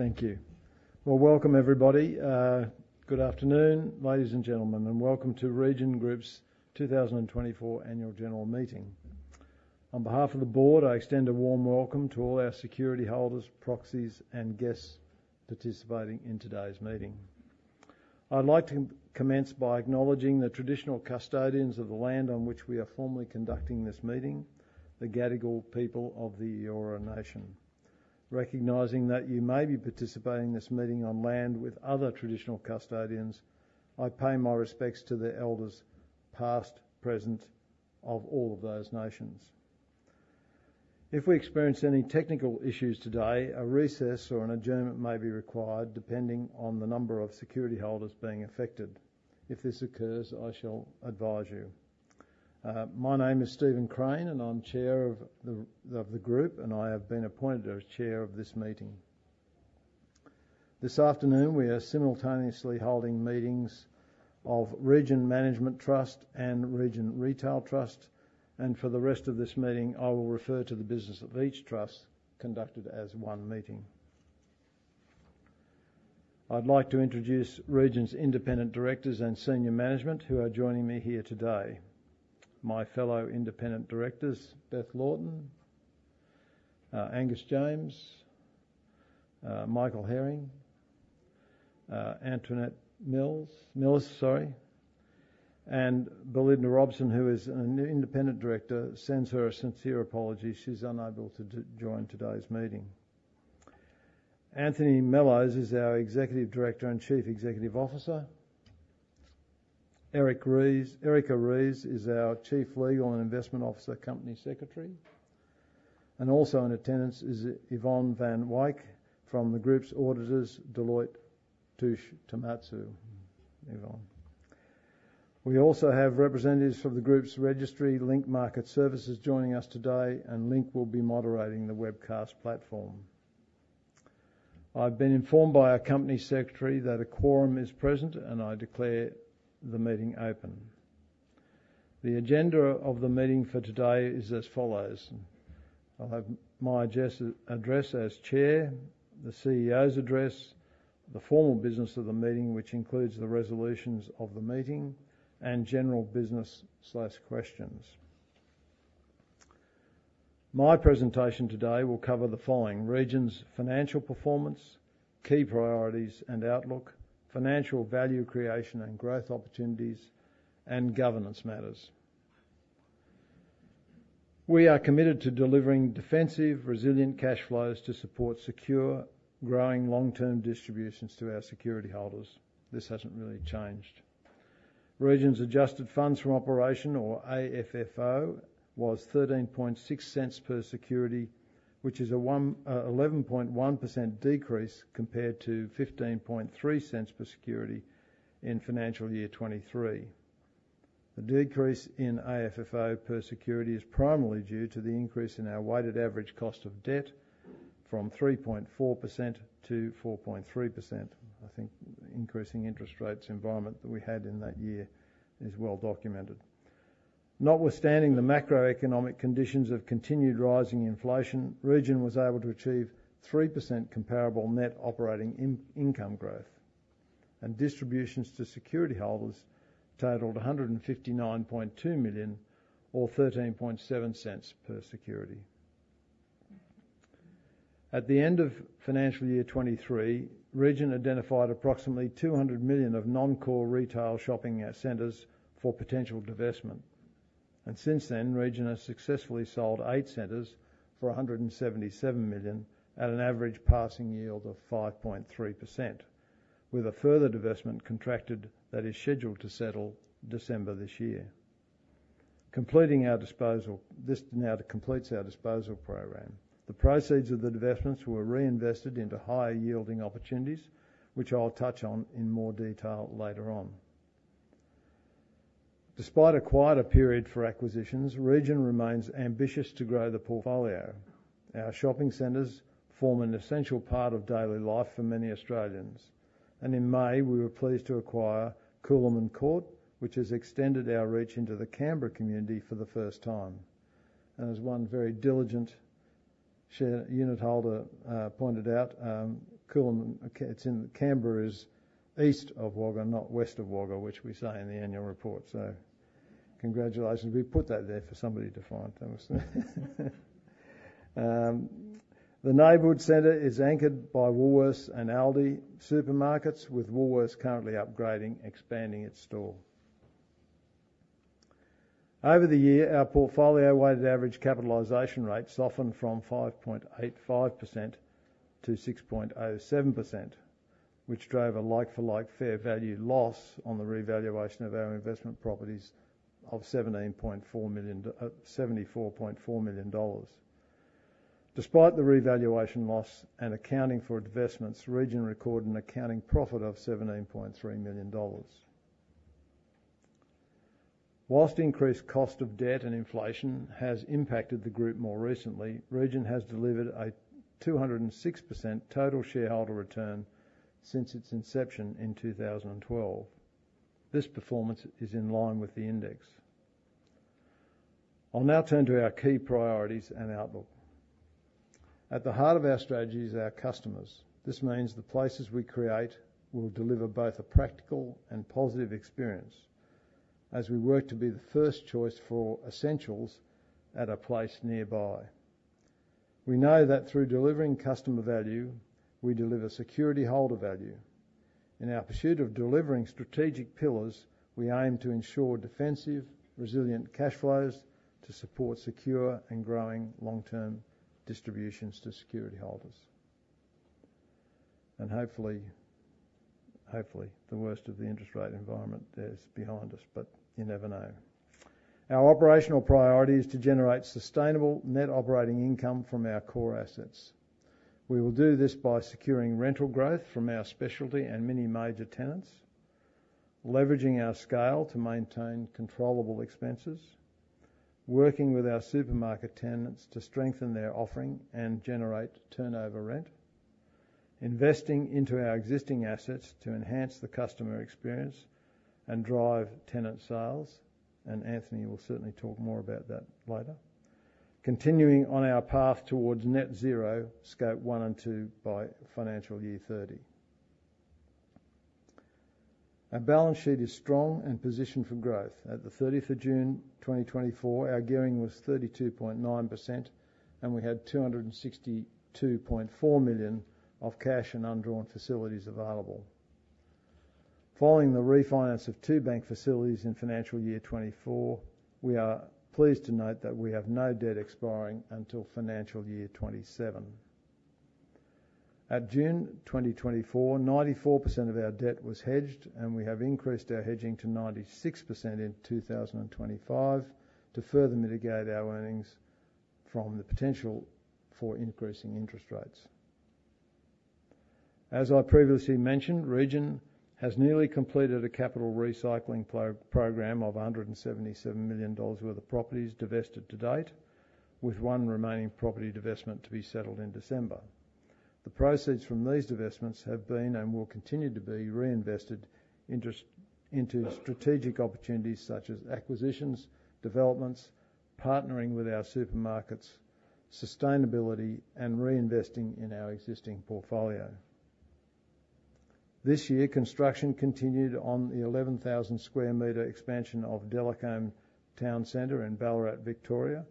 Thank you. Welcome everybody. Good afternoon, ladies and gentlemen, and welcome to Region Group's 2024 Annual General Meeting. On behalf of the Board, I extend a warm welcome to all our security holders, proxies, and guests participating in today's meeting. I'd like to commence by acknowledging the traditional custodians of the land on which we are formally conducting this meeting, the Gadigal people of the Eora Nation. Recognizing that you may be participating in this meeting on land with other traditional custodians, I pay my respects to the elders past, present, of all of those nations. If we experience any technical issues today, a recess or an adjournment may be required depending on the number of security holders being affected. If this occurs, I shall advise you. My name is Steven Crane, and I'm Chair of the Group, and I have been appointed as Chair of this meeting. This afternoon, we are simultaneously holding meetings of Region Management Trust and Region Retail Trust, and for the rest of this meeting, I will refer to the business of each trust conducted as one meeting. I'd like to introduce Region's independent directors and senior management who are joining me here today. My fellow independent directors, Beth Laughton, Angus James, Michael Herring, Antoinette Milis, sorry, and Belinda Robson, who is an independent director, sends her a sincere apology. She's unable to join today's meeting. Anthony Mellowes is our Executive Director and Chief Executive Officer. Erica Rees is our Chief Legal and Investment Officer, Company Secretary. And also in attendance is Yvonne Van Wyk from the group's auditors, Deloitte Tohmatsu. We also have representatives from the group's registry, Link Market Services, joining us today, and Link will be moderating the webcast platform. I've been informed by our company secretary that a quorum is present, and I declare the meeting open. The agenda of the meeting for today is as follows. I'll have my address as chair, the CEO's address, the formal business of the meeting, which includes the resolutions of the meeting, and general business/questions. My presentation today will cover the following: Region's financial performance, key priorities and outlook, financial value creation and growth opportunities, and governance matters. We are committed to delivering defensive, resilient cash flows to support secure, growing long-term distributions to our security holders. This hasn't really changed. Region's adjusted funds from operation, or AFFO, was 0.136 per security, which is an 11.1% decrease compared to 0.153 per security in financial year 2023. The decrease in AFFO per security is primarily due to the increase in our weighted average cost of debt from 3.4% to 4.3%. I think increasing interest rates environment that we had in that year is well documented. Notwithstanding the macroeconomic conditions of continued rising inflation, Region was able to achieve 3% comparable net operating income growth, and distributions to security holders totaled 159.2 million, or 0.137 per security. At the end of financial year 2023, Region identified approximately 200 million of non-core retail shopping centers for potential divestment. And since then, Region has successfully sold eight centers for 177 million at an average passing yield of 5.3%, with a further divestment contracted that is scheduled to settle December this year. Completing our disposal, this now completes our disposal program. The proceeds of the divestments were reinvested into higher yielding opportunities, which I'll touch on in more detail later on. Despite a quieter period for acquisitions, Region remains ambitious to grow the portfolio. Our shopping centers form an essential part of daily life for many Australians. In May, we were pleased to acquire Coolerman Court, which has extended our reach into the Canberra community for the first time. One very diligent unit holder pointed out, Coolerman, it's in Canberra, is east of Wagga and not west of Wagga, which we say in the annual report. Congratulations. We put that there for somebody to find. The neighborhood center is anchored by Woolworths and Aldi supermarkets, with Woolworths currently upgrading, expanding its store. Over the year, our portfolio weighted average capitalization rate softened from 5.85%-6.07%, which drove a like-for-like fair value loss on the revaluation of our investment properties of 74 million dollars. Despite the revaluation loss and accounting for investments, Region recorded an accounting profit of 17.3 million dollars. While increased cost of debt and inflation has impacted the group more recently, Region has delivered a 206% total shareholder return since its inception in 2012. This performance is in line with the index. I'll now turn to our key priorities and outlook. At the heart of our strategy is our customers. This means the places we create will deliver both a practical and positive experience as we work to be the first choice for essentials at a place nearby. We know that through delivering customer value, we deliver security holder value. In our pursuit of delivering strategic pillars, we aim to ensure defensive, resilient cash flows to support secure and growing long-term distributions to security holders. Hopefully the worst of the interest rate environment is behind us, but you never know. Our operational priority is to generate sustainable net operating income from our core assets. We will do this by securing rental growth from our specialty and many major tenants, leveraging our scale to maintain controllable expenses, working with our supermarket tenants to strengthen their offering and generate turnover rent, investing into our existing assets to enhance the customer experience and drive tenant sales. And Anthony will certainly talk more about that later. Continuing on our path towards Net Zero, Scope 1 and 2 by financial year 2030. Our balance sheet is strong and positioned for growth. At the 30th of June 2024, our gearing was 32.9%, and we had 262.4 million of cash and undrawn facilities available. Following the refinance of two bank facilities in financial year 2024, we are pleased to note that we have no debt expiring until financial year 2027. At June 2024, 94% of our debt was hedged, and we have increased our hedging to 96% in 2025 to further mitigate our earnings from the potential for increasing interest rates. As I previously mentioned, Region has nearly completed a capital recycling program of 177 million dollars worth of properties divested to date, with one remaining property divestment to be settled in December. The proceeds from these divestments have been and will continue to be reinvested into strategic opportunities such as acquisitions, developments, partnering with our supermarkets, sustainability, and reinvesting in our existing portfolio. This year, construction continued on the 11,000 square meter expansion of Delacombe Town Centre in Ballarat, Victoria,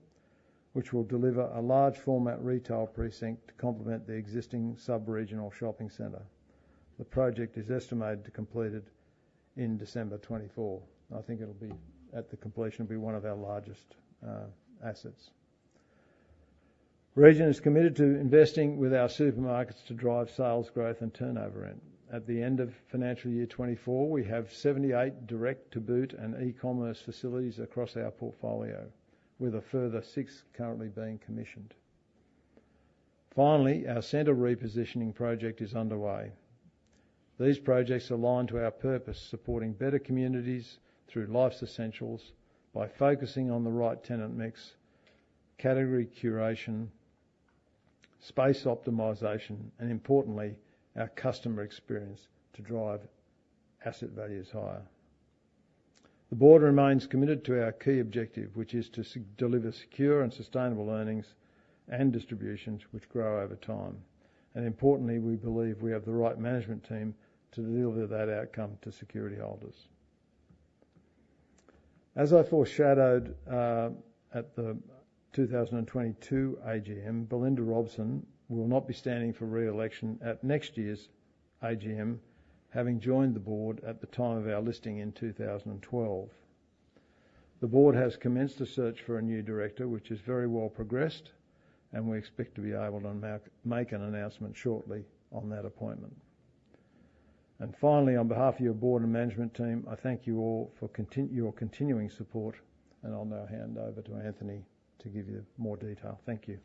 which will deliver a large format retail precinct to complement the existing sub-regional shopping center. The project is estimated to be completed in December 2024. I think it'll be, at the completion, one of our largest assets. Region is committed to investing with our supermarkets to drive sales growth and turnover rent. At the end of financial year 2024, we have 78 direct-to-boot and e-commerce facilities across our portfolio, with a further six currently being commissioned. Finally, our center repositioning project is underway. These projects align to our purpose, supporting better communities through life's essentials by focusing on the right tenant mix, category curation, space optimization, and importantly, our customer experience to drive asset values higher. The Board remains committed to our key objective, which is to deliver secure and sustainable earnings and distributions which grow over time. And importantly, we believe we have the right management team to deliver that outcome to security holders. As I foreshadowed at the 2022 AGM, Belinda Robson will not be standing for re-election at next year's AGM, having joined the Board at the time of our listing in 2012. The Board has commenced a search for a new director, which is very well progressed, and we expect to be able to make an announcement shortly on that appointment, and finally, on behalf of your Board and management team, I thank you all for your continuing support, and I'll now hand over to Anthony to give you more detail. Thank you.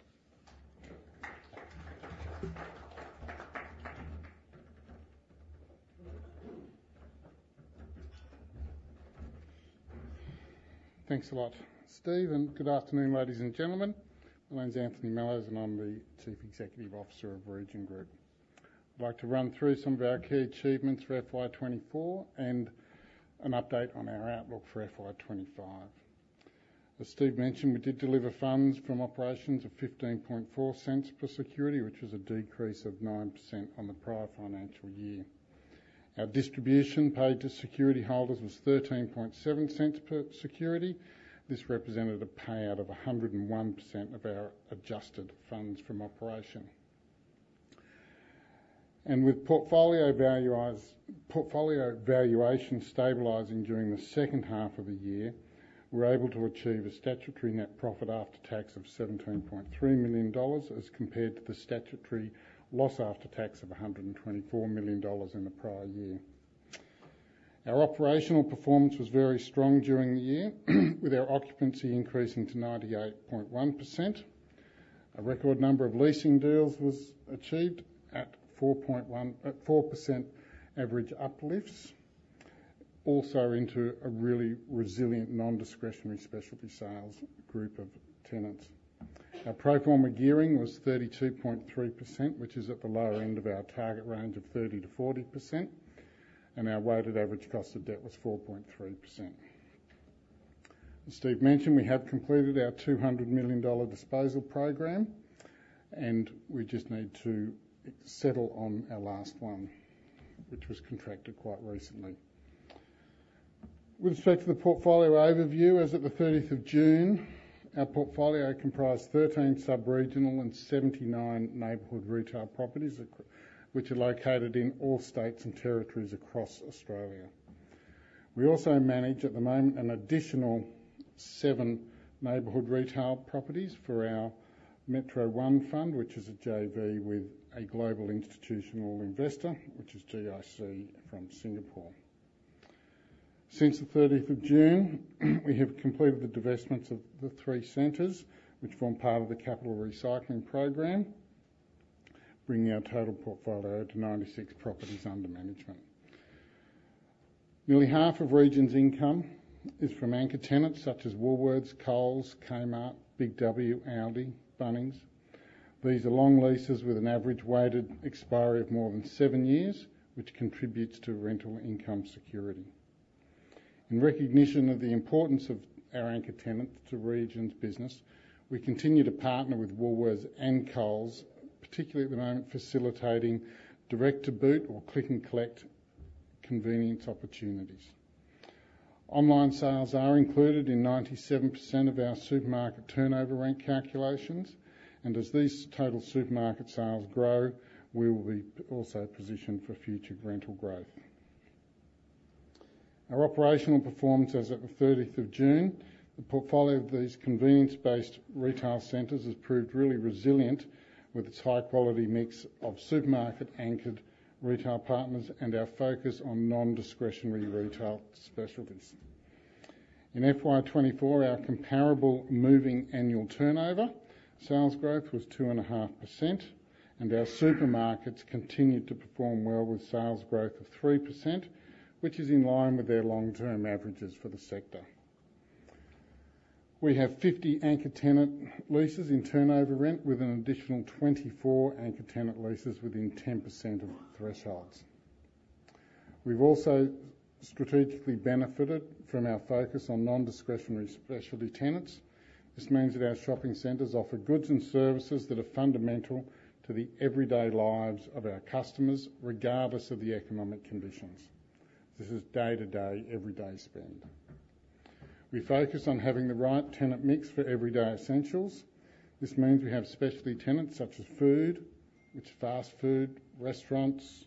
Thanks a lot, Steve, and good afternoon, ladies and gentlemen. My name's Anthony Mellowes, and I'm the Chief Executive Officer of Region Group. I'd like to run through some of our key achievements for FY24 and an update on our outlook for FY25. As Steve mentioned, we did deliver funds from operations of 15.4 cents per security, which was a decrease of 9% on the prior financial year. Our distribution paid to security holders was 13.7 cents per security. This represented a payout of 101% of our adjusted funds from operation, and with portfolio valuation stabilising during the second half of the year, we were able to achieve a statutory net profit after tax of $17.3 million as compared to the statutory loss after tax of $124 million in the prior year. Our operational performance was very strong during the year, with our occupancy increasing to 98.1%. A record number of leasing deals was achieved at 4% average uplifts, also into a really resilient non-discretionary specialty sales group of tenants. Our pro forma gearing was 32.3%, which is at the lower end of our target range of 30%-40%. And our weighted average cost of debt was 4.3%. As Steve mentioned, we have completed our 200 million dollar disposal program, and we just need to settle on our last one, which was contracted quite recently. With respect to the portfolio overview, as of the 30th of June, our portfolio comprised 13 sub-regional and 79 neighborhood retail properties, which are located in all states and territories across Australia. We also manage at the moment an additional seven neighborhood retail properties for our Metro One Fund, which is a JV with a global institutional investor, which is GIC from Singapore. Since the 30th of June, we have completed the divestments of the three centers, which form part of the capital recycling program, bringing our total portfolio to 96 properties under management. Nearly half of Region's income is from anchor tenants such as Woolworths, Coles, Kmart, Big W, Aldi, Bunnings. These are long leases with an average weighted expiry of more than seven years, which contributes to rental income security. In recognition of the importance of our anchor tenants to Region's business, we continue to partner with Woolworths and Coles, particularly at the moment facilitating direct-to-boot or click and collect convenience opportunities. Online sales are included in 97% of our supermarket turnover rate calculations, and as these total supermarket sales grow, we will be also positioned for future rental growth. Our operational performance as of the 30th of June. The portfolio of these convenience-based retail centers has proved really resilient with its high-quality mix of supermarket anchored retail partners and our focus on non-discretionary retail specialties. In FY24, our comparable moving annual turnover sales growth was 2.5%, and our supermarkets continued to perform well with sales growth of 3%, which is in line with their long-term averages for the sector. We have 50 anchor tenant leases in turnover rent with an additional 24 anchor tenant leases within 10% of thresholds. We've also strategically benefited from our focus on non-discretionary specialty tenants. This means that our shopping centers offer goods and services that are fundamental to the everyday lives of our customers, regardless of the economic conditions. This is day-to-day, everyday spend. We focus on having the right tenant mix for everyday essentials. This means we have specialty tenants such as food, which are fast food, restaurants,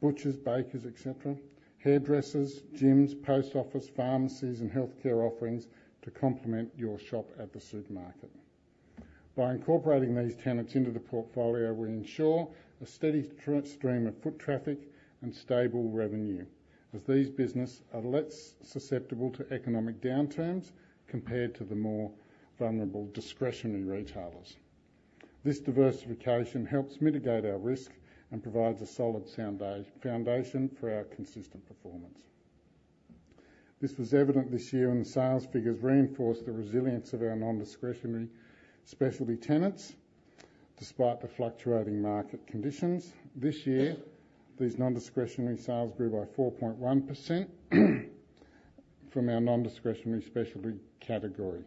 butchers, bakers, etc., hairdressers, gyms, post office, pharmacies, and healthcare offerings to complement your shop at the supermarket. By incorporating these tenants into the portfolio, we ensure a steady stream of foot traffic and stable revenue as these businesses are less susceptible to economic downturns compared to the more vulnerable discretionary retailers. This diversification helps mitigate our risk and provides a solid foundation for our consistent performance. This was evident this year when the sales figures reinforced the resilience of our non-discretionary specialty tenants. Despite the fluctuating market conditions, this year, these non-discretionary sales grew by 4.1% from our non-discretionary specialty category.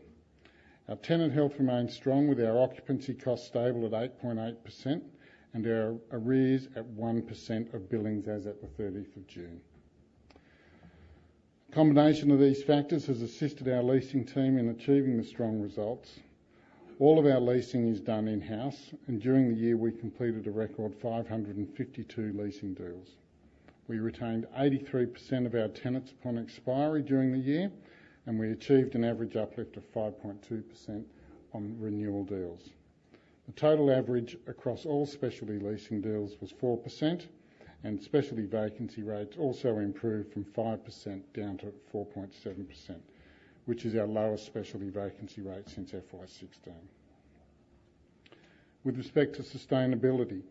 Our tenant health remained strong, with our occupancy costs stable at 8.8% and our arrears at 1% of billings as of the 30th of June. A combination of these factors has assisted our leasing team in achieving the strong results. All of our leasing is done in-house, and during the year, we completed a record 552 leasing deals. We retained 83% of our tenants upon expiry during the year, and we achieved an average uplift of 5.2% on renewal deals. The total average across all specialty leasing deals was 4%, and specialty vacancy rates also improved from 5% down to 4.7%, which is our lowest specialty vacancy rate since FY16. With respect to sustainability,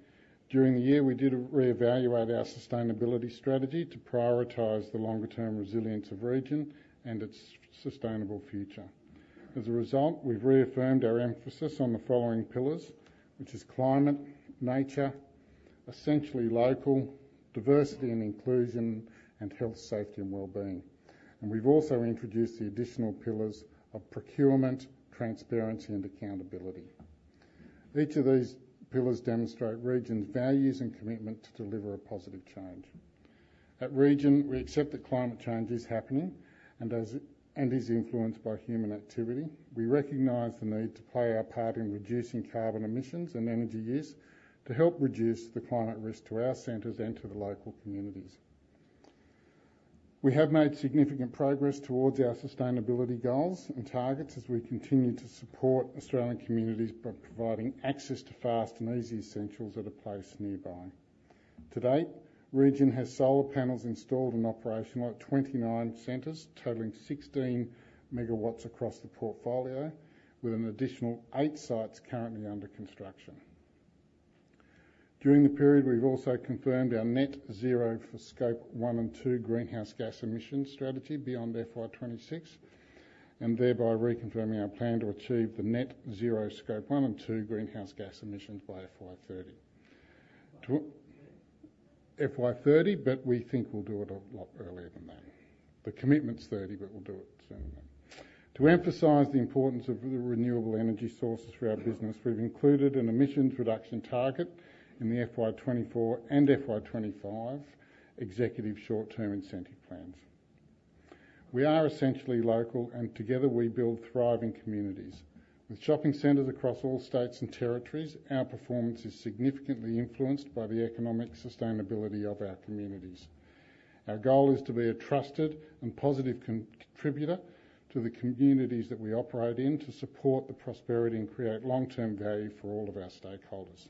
during the year, we did re-evaluate our sustainability strategy to prioritize the longer-term resilience of Region and its sustainable future. As a result, we've reaffirmed our emphasis on the following pillars, which are climate, nature, essentially local, diversity and inclusion, and health, safety, and well-being, and we've also introduced the additional pillars of procurement, transparency, and accountability. Each of these pillars demonstrates Region's values and commitment to deliver a positive change. At Region, we accept that climate change is happening and is influenced by human activity. We recognize the need to play our part in reducing carbon emissions and energy use to help reduce the climate risk to our centers and to the local communities. We have made significant progress towards our sustainability goals and targets as we continue to support Australian communities by providing access to fast and easy essentials at a place nearby. To date, Region has solar panels installed and operational at 29 centers, totaling 16 megawatts across the portfolio, with an additional eight sites currently under construction. During the period, we've also confirmed our Net Zero for Scope 1 and 2 greenhouse gas emissions strategy beyond FY26, and thereby reconfirming our plan to achieve the Net Zero Scope 1 and 2 greenhouse gas emissions by FY30. FY30, but we think we'll do it a lot earlier than that. The commitment's 30, but we'll do it sooner than that. To emphasize the importance of the renewable energy sources for our business, we've included an emissions reduction target in the FY24 and FY25 executive short-term incentive plans. We are essentially local, and together we build thriving communities. With shopping centers across all states and territories, our performance is significantly influenced by the economic sustainability of our communities. Our goal is to be a trusted and positive contributor to the communities that we operate in to support the prosperity and create long-term value for all of our stakeholders.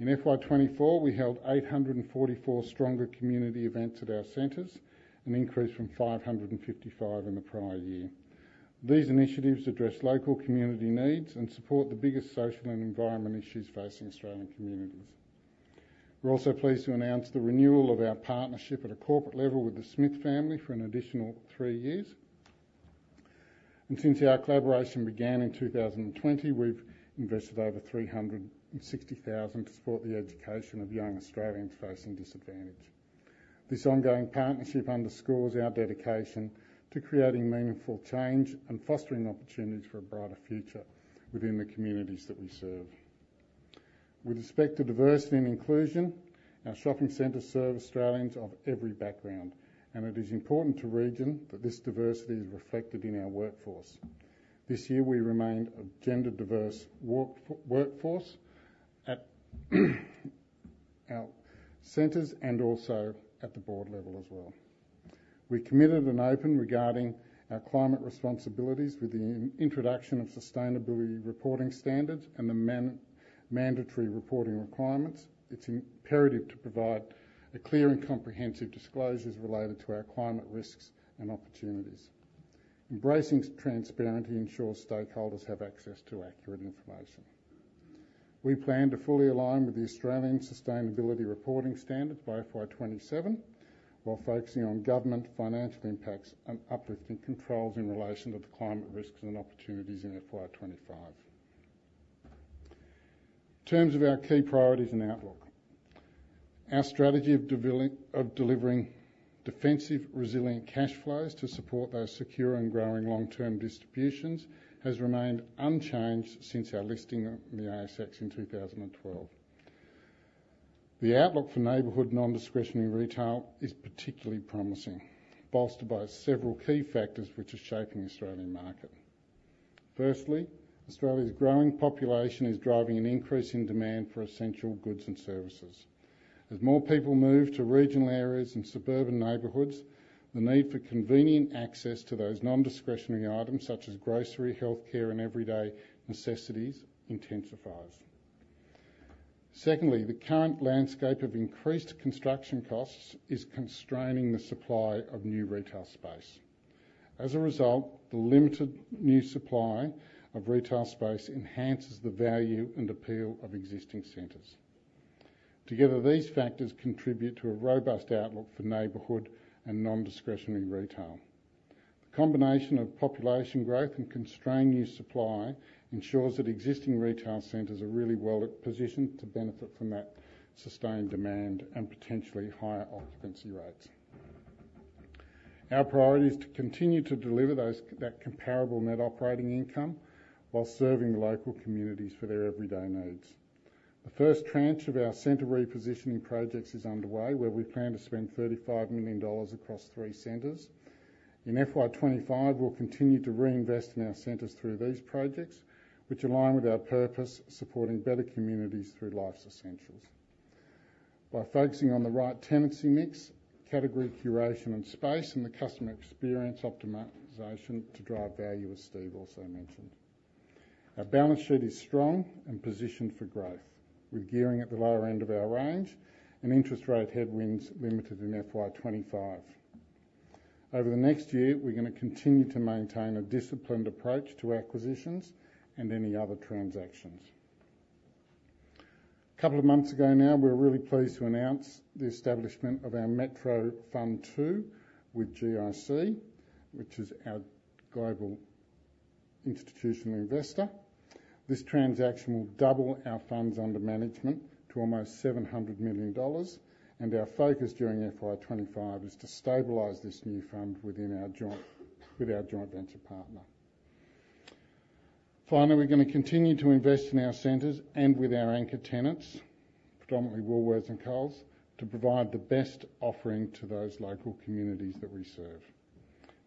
In FY24, we held 844 stronger community events at our centers, an increase from 555 in the prior year. These initiatives address local community needs and support the biggest social and environmental issues facing Australian communities. We're also pleased to announce the renewal of our partnership at a corporate level with the Smith Family for an additional three years, and since our collaboration began in 2020, we've invested over 360,000 to support the education of young Australians facing disadvantage. This ongoing partnership underscores our dedication to creating meaningful change and fostering opportunities for a brighter future within the communities that we serve. With respect to diversity and inclusion, our shopping centers serve Australians of every background, and it is important to Region that this diversity is reflected in our workforce. This year, we remained a gender-diverse workforce at our centers and also at the board level as well. We committed and opened regarding our climate responsibilities with the introduction of sustainability reporting standards and the mandatory reporting requirements. It's imperative to provide a clear and comprehensive disclosure related to our climate risks and opportunities. Embracing transparency ensures stakeholders have access to accurate information. We plan to fully align with the Australian sustainability reporting standards by FY27 while focusing on government financial impacts and uplifting controls in relation to the climate risks and opportunities in FY25. In terms of our key priorities and outlook, our strategy of delivering defensive resilient cash flows to support those secure and growing long-term distributions has remained unchanged since our listing of the ASX in 2012. The outlook for neighborhood non-discretionary retail is particularly promising, bolstered by several key factors which are shaping the Australian market. Firstly, Australia's growing population is driving an increase in demand for essential goods and services. As more people move to regional areas and suburban neighborhoods, the need for convenient access to those non-discretionary items such as grocery, healthcare, and everyday necessities intensifies. Secondly, the current landscape of increased construction costs is constraining the supply of new retail space. As a result, the limited new supply of retail space enhances the value and appeal of existing centers. Together, these factors contribute to a robust outlook for neighborhood and non-discretionary retail. The combination of population growth and constrained new supply ensures that existing retail centers are really well positioned to benefit from that sustained demand and potentially higher occupancy rates. Our priority is to continue to deliver that comparable net operating income while serving local communities for their everyday needs. The first tranche of our center repositioning projects is underway, where we plan to spend 35 million dollars across three centers. In FY25, we'll continue to reinvest in our centers through these projects, which align with our purpose of supporting better communities through life's essentials. By focusing on the right tenancy mix, category curation and space, and the customer experience optimization to drive value, as Steve also mentioned. Our balance sheet is strong and positioned for growth, with gearing at the lower end of our range and interest rate headwinds limited in FY25. Over the next year, we're going to continue to maintain a disciplined approach to acquisitions and any other transactions. A couple of months ago now, we were really pleased to announce the establishment of our Metro Fund II with GIC, which is our global institutional investor. This transaction will double our funds under management to almost 700 million dollars, and our focus during FY25 is to stabilize this new fund with our joint venture partner. Finally, we're going to continue to invest in our centers and with our anchor tenants, predominantly Woolworths and Coles, to provide the best offering to those local communities that we serve.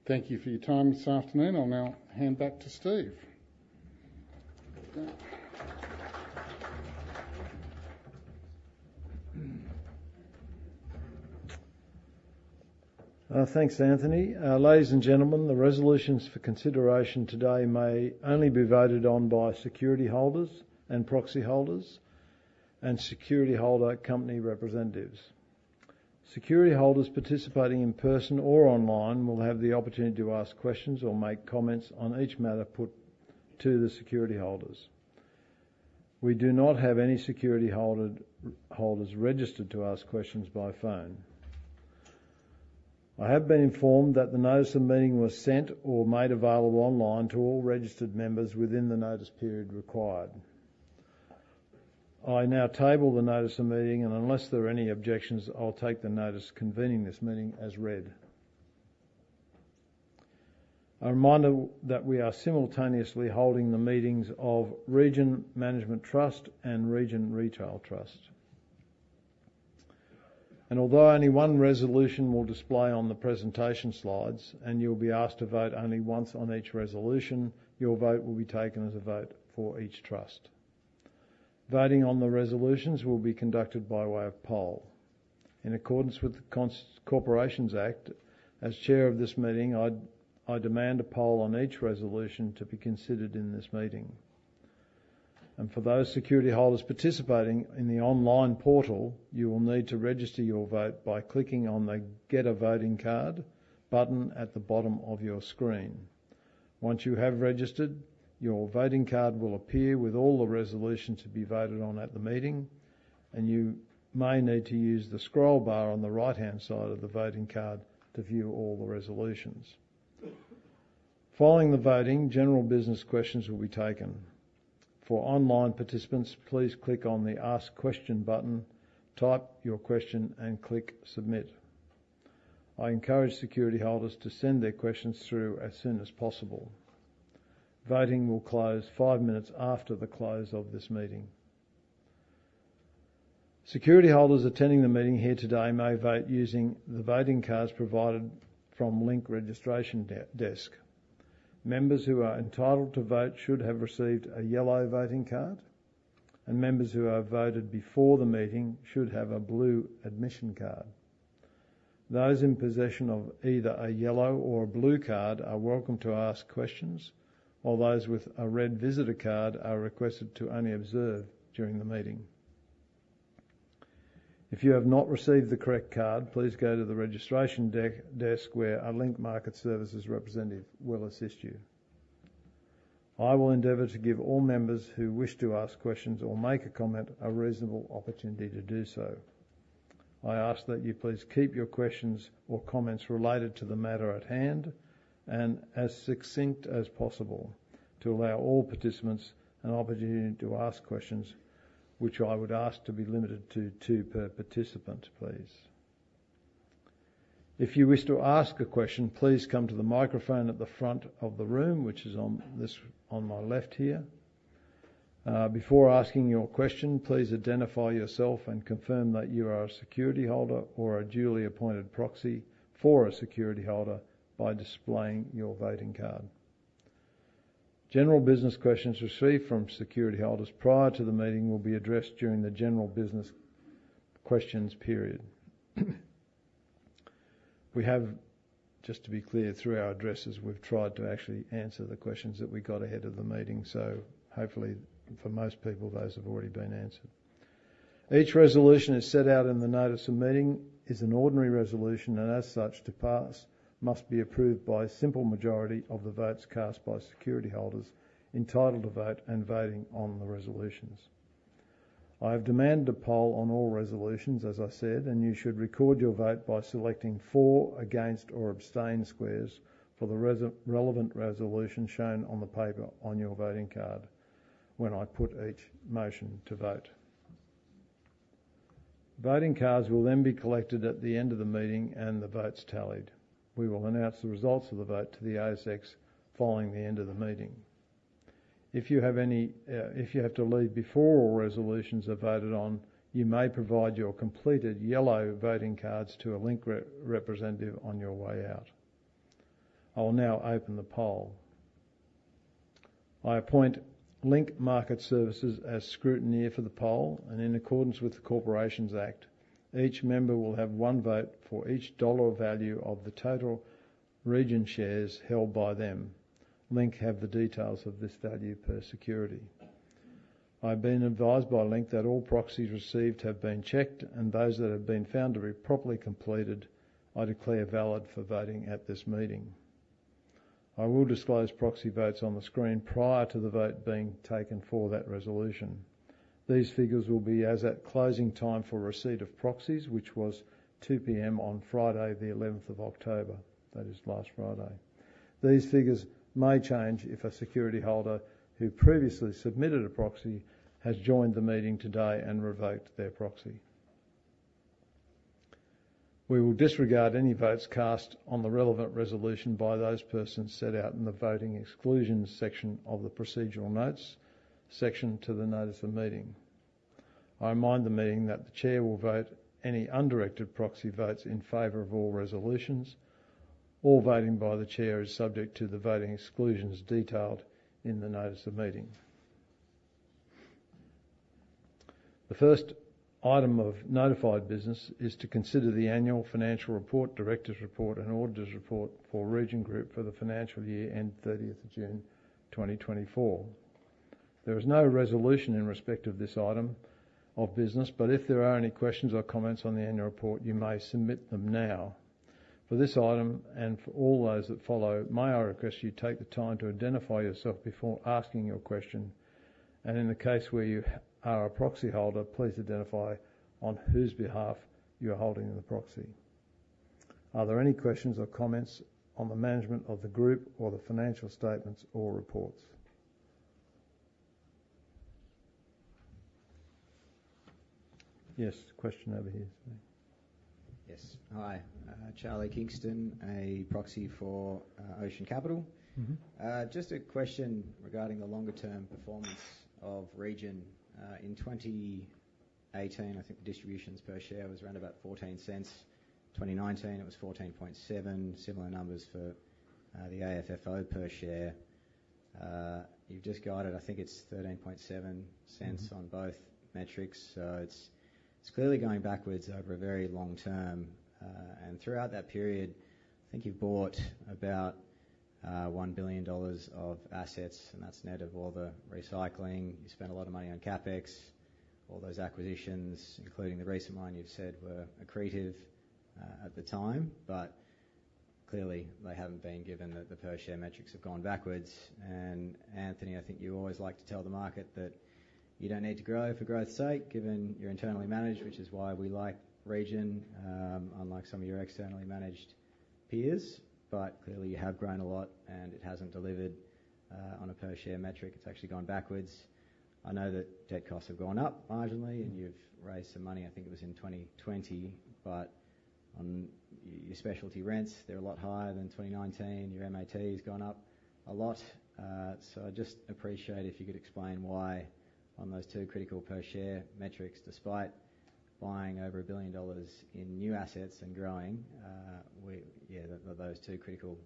Thank you for your time this afternoon. I'll now hand back to Steve. Thanks, Anthony. Ladies and gentlemen, the resolutions for consideration today may only be voted on by security holders and proxy holders and security holder company representatives. Security holders participating in person or online will have the opportunity to ask questions or make comments on each matter put to the security holders. We do not have any security holders registered to ask questions by phone. I have been informed that the notice of meeting was sent or made available online to all registered members within the notice period required. I now table the notice of meeting, and unless there are any objections, I'll take the notice convening this meeting as read. A reminder that we are simultaneously holding the meetings of Region Management Trust and Region Retail Trust, and although only one resolution will display on the presentation slides and you'll be asked to vote only once on each resolution, your vote will be taken as a vote for each trust. Voting on the resolutions will be conducted by way of poll. In accordance with the Corporations Act, as chair of this meeting, I demand a poll on each resolution to be considered in this meeting, and for those security holders participating in the online portal, you will need to register your vote by clicking on the Get a Voting Card button at the bottom of your screen. Once you have registered, your voting card will appear with all the resolutions to be voted on at the meeting, and you may need to use the scroll bar on the right-hand side of the voting card to view all the resolutions. Following the voting, general business questions will be taken. For online participants, please click on the Ask Question button, type your question, and click Submit. I encourage security holders to send their questions through as soon as possible. Voting will close five minutes after the close of this meeting. Security holders attending the meeting here today may vote using the voting cards provided from Link registration desk. Members who are entitled to vote should have received a yellow voting card, and members who have voted before the meeting should have a blue admission card. Those in possession of either a yellow or a blue card are welcome to ask questions, while those with a red visitor card are requested to only observe during the meeting. If you have not received the correct card, please go to the registration desk where a Link Market Services representative will assist you. I will endeavor to give all members who wish to ask questions or make a comment a reasonable opportunity to do so. I ask that you please keep your questions or comments related to the matter at hand and as succinct as possible to allow all participants an opportunity to ask questions, which I would ask to be limited to two per participant, please. If you wish to ask a question, please come to the microphone at the front of the room, which is on my left here. Before asking your question, please identify yourself and confirm that you are a security holder or a duly appointed proxy for a security holder by displaying your voting card. General business questions received from security holders prior to the meeting will be addressed during the general business questions period. We have, just to be clear, through our addresses, we've tried to actually answer the questions that we got ahead of the meeting, so hopefully for most people, those have already been answered. Each resolution, as set out in the notice of meeting, is an ordinary resolution, and as such, to pass must be approved by a simple majority of the votes cast by security holders entitled to vote and voting on the resolutions. I have demanded a poll on all resolutions, as I said, and you should record your vote by selecting for, against or abstain squares for the relevant resolution shown on the paper on your voting card when I put each motion to vote. Voting cards will then be collected at the end of the meeting and the votes tallied. We will announce the results of the vote to the ASX following the end of the meeting. If you have to leave before all resolutions are voted on, you may provide your completed yellow voting cards to a Link representative on your way out. I will now open the poll. I appoint Link Market Services as scrutineer for the poll, and in accordance with the Corporations Act, each member will have one vote for each dollar value of the total Region shares held by them. Link have the details of this value per security. I've been advised by Link that all proxies received have been checked, and those that have been found to be properly completed. I declare valid for voting at this meeting. I will disclose proxy votes on the screen prior to the vote being taken for that resolution. These figures will be as at closing time for receipt of proxies, which was 2:00 P.M. on Friday, the 11th of October. That is last Friday. These figures may change if a security holder who previously submitted a proxy has joined the meeting today and revoked their proxy. We will disregard any votes cast on the relevant resolution by those persons set out in the voting exclusions section of the procedural notes section to the notice of meeting. I remind the meeting that the chair will vote any undirected proxy votes in favor of all resolutions. All voting by the chair is subject to the voting exclusions detailed in the notice of meeting. The first item of notified business is to consider the annual financial report, director's report, and auditor's report for Region Group for the financial year end 30th of June 2024. There is no resolution in respect of this item of business, but if there are any questions or comments on the annual report, you may submit them now. For this item and for all those that follow, may I request you take the time to identify yourself before asking your question, and in the case where you are a proxy holder, please identify on whose behalf you are holding the proxy. Are there any questions or comments on the management of the group or the financial statements or reports? Yes, question over here. Yes. Hi. Charlie Kingston, a proxy for Ocean Capital. Just a question regarding the longer-term performance of Region. In 2018, I think distributions per share was around about 0.14. 2019, it was 0.147, similar numbers for the AFFO per share. You've just guided, I think it's 0.137 on both metrics, so it's clearly going backwards over a very long term. And throughout that period, I think you've bought about 1 billion dollars of assets, and that's net of all the recycling. You spent a lot of money on CapEx. All those acquisitions, including the recent one you've said, were accretive at the time, but clearly they haven't been given that the per share metrics have gone backwards. Anthony, I think you always like to tell the market that you don't need to grow for growth's sake, given you're internally managed, which is why we like Region, unlike some of your externally managed peers. But clearly, you have grown a lot, and it hasn't delivered on a per share metric. It's actually gone backwards. I know that debt costs have gone up marginally, and you've raised some money, I think it was in 2020, but your specialty rents, they're a lot higher than 2019. Your MAT has gone up a lot. So I just appreciate if you could explain why on those two critical per share metrics, despite buying over 1 billion dollars in new assets and growing, yeah, those two critical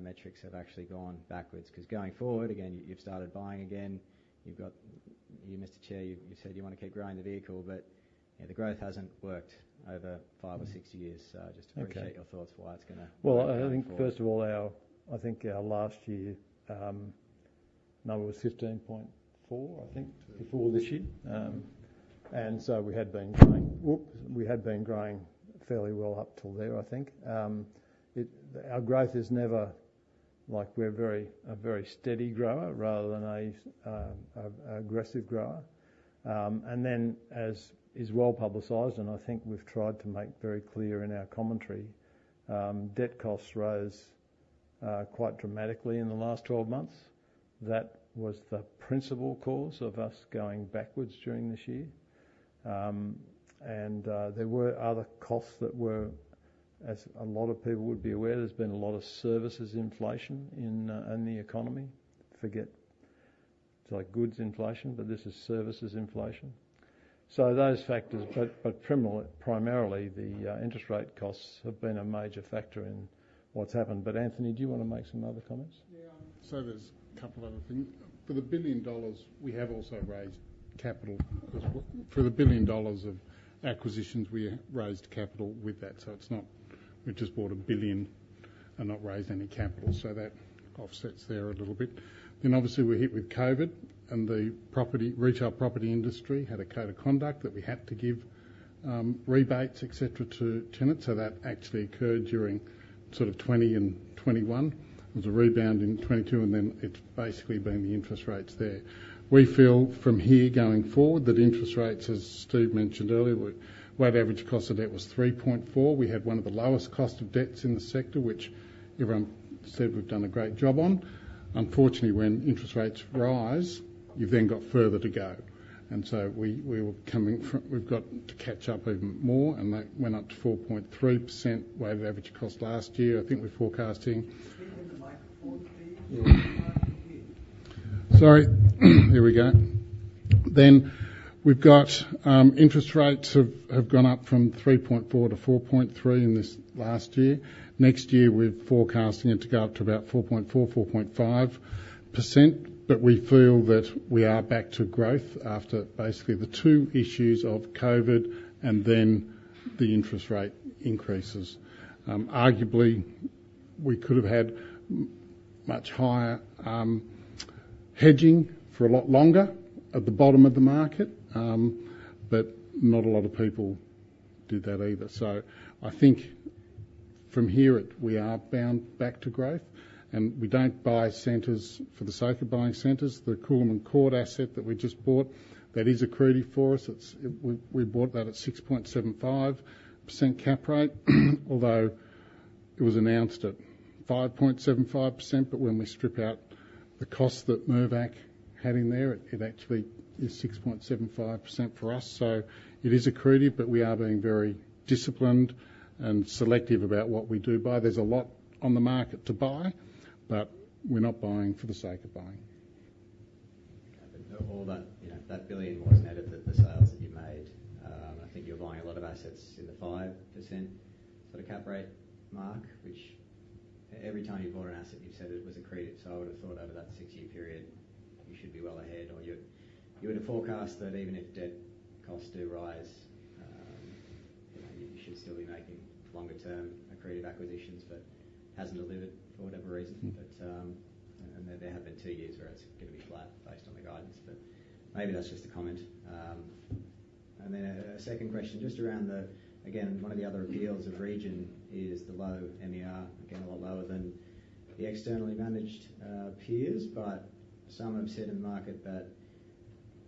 metrics have actually gone backwards. Because going forward, again, you've started buying again. You've got, Mr. Chair, you've said you want to keep growing the vehicle, but the growth hasn't worked over five or six years. So I just appreciate your thoughts why it's going to. Well, I think first of all, I think our last year number was 15.4, I think, before this year. And so we had been growing. Whoops, we had been growing fairly well up till there, I think. Our growth is never like we're a very steady grower rather than an aggressive grower. And then, as is well publicized, and I think we've tried to make very clear in our commentary, debt costs rose quite dramatically in the last 12 months. That was the principal cause of us going backwards during this year. And there were other costs that were, as a lot of people would be aware, there's been a lot of services inflation in the economy. But it's like goods inflation, but this is services inflation. So those factors, but primarily the interest rate costs have been a major factor in what's happened. But Anthony, do you want to make some other comments? Yeah. So there's a couple of other things. For the 1 billion dollars, we have also raised capital. For the 1 billion dollars of acquisitions, we raised capital with that. So it's not we just bought a billion and not raised any capital, so that offsets there a little bit. Then obviously we hit with COVID, and the retail property industry had a code of conduct that we had to give rebates, etc., to tenants. So that actually occurred during sort of 2020 and 2021. There was a rebound in 2022, and then it's basically been the interest rates there. We feel from here going forward that interest rates, as Steve mentioned earlier, our weighted average cost of debt was 3.4%. We had one of the lowest costs of debt in the sector, which everyone said we've done a great job on. Unfortunately, when interest rates rise, you've then got further to go. And so we were coming from we've got to catch up even more, and that went up to 4.3% weighted average cost last year, I think we're forecasting. Sorry. Here we go. Then we've got interest rates have gone up from 3.4% to 4.3% in this last year. Next year, we're forecasting it to go up to about 4.4-4.5%, but we feel that we are back to growth after basically the two issues of COVID and then the interest rate increases. Arguably, we could have had much higher hedging for a lot longer at the bottom of the market, but not a lot of people did that either. So I think from here, we are bound back to growth, and we don't buy centers for the sake of buying centers. The Coolerman Court asset that we just bought, that is accretive for us. We bought that at 6.75% cap rate, although it was announced at 5.75%, but when we strip out the cost that Mirvac had in there, it actually is 6.75% for us. So it is accretive, but we are being very disciplined and selective about what we do buy. There's a lot on the market to buy, but we're not buying for the sake of buying. All that, that billion was netted at the sales that you made. I think you're buying a lot of assets in the 5% sort of cap rate mark, which every time you bought an asset, you've said it was accretive. So I would have thought over that six-year period, you should be well ahead, or you would have forecast that even if debt costs do rise, you should still be making longer-term accretive acquisitions, but hasn't delivered for whatever reason. But there have been two years where it's going to be flat based on the guidance, but maybe that's just a comment. And then a second question just around the, again, one of the other appeals of Region is the low MER, again, a lot lower than the externally managed peers, but some have said in the market that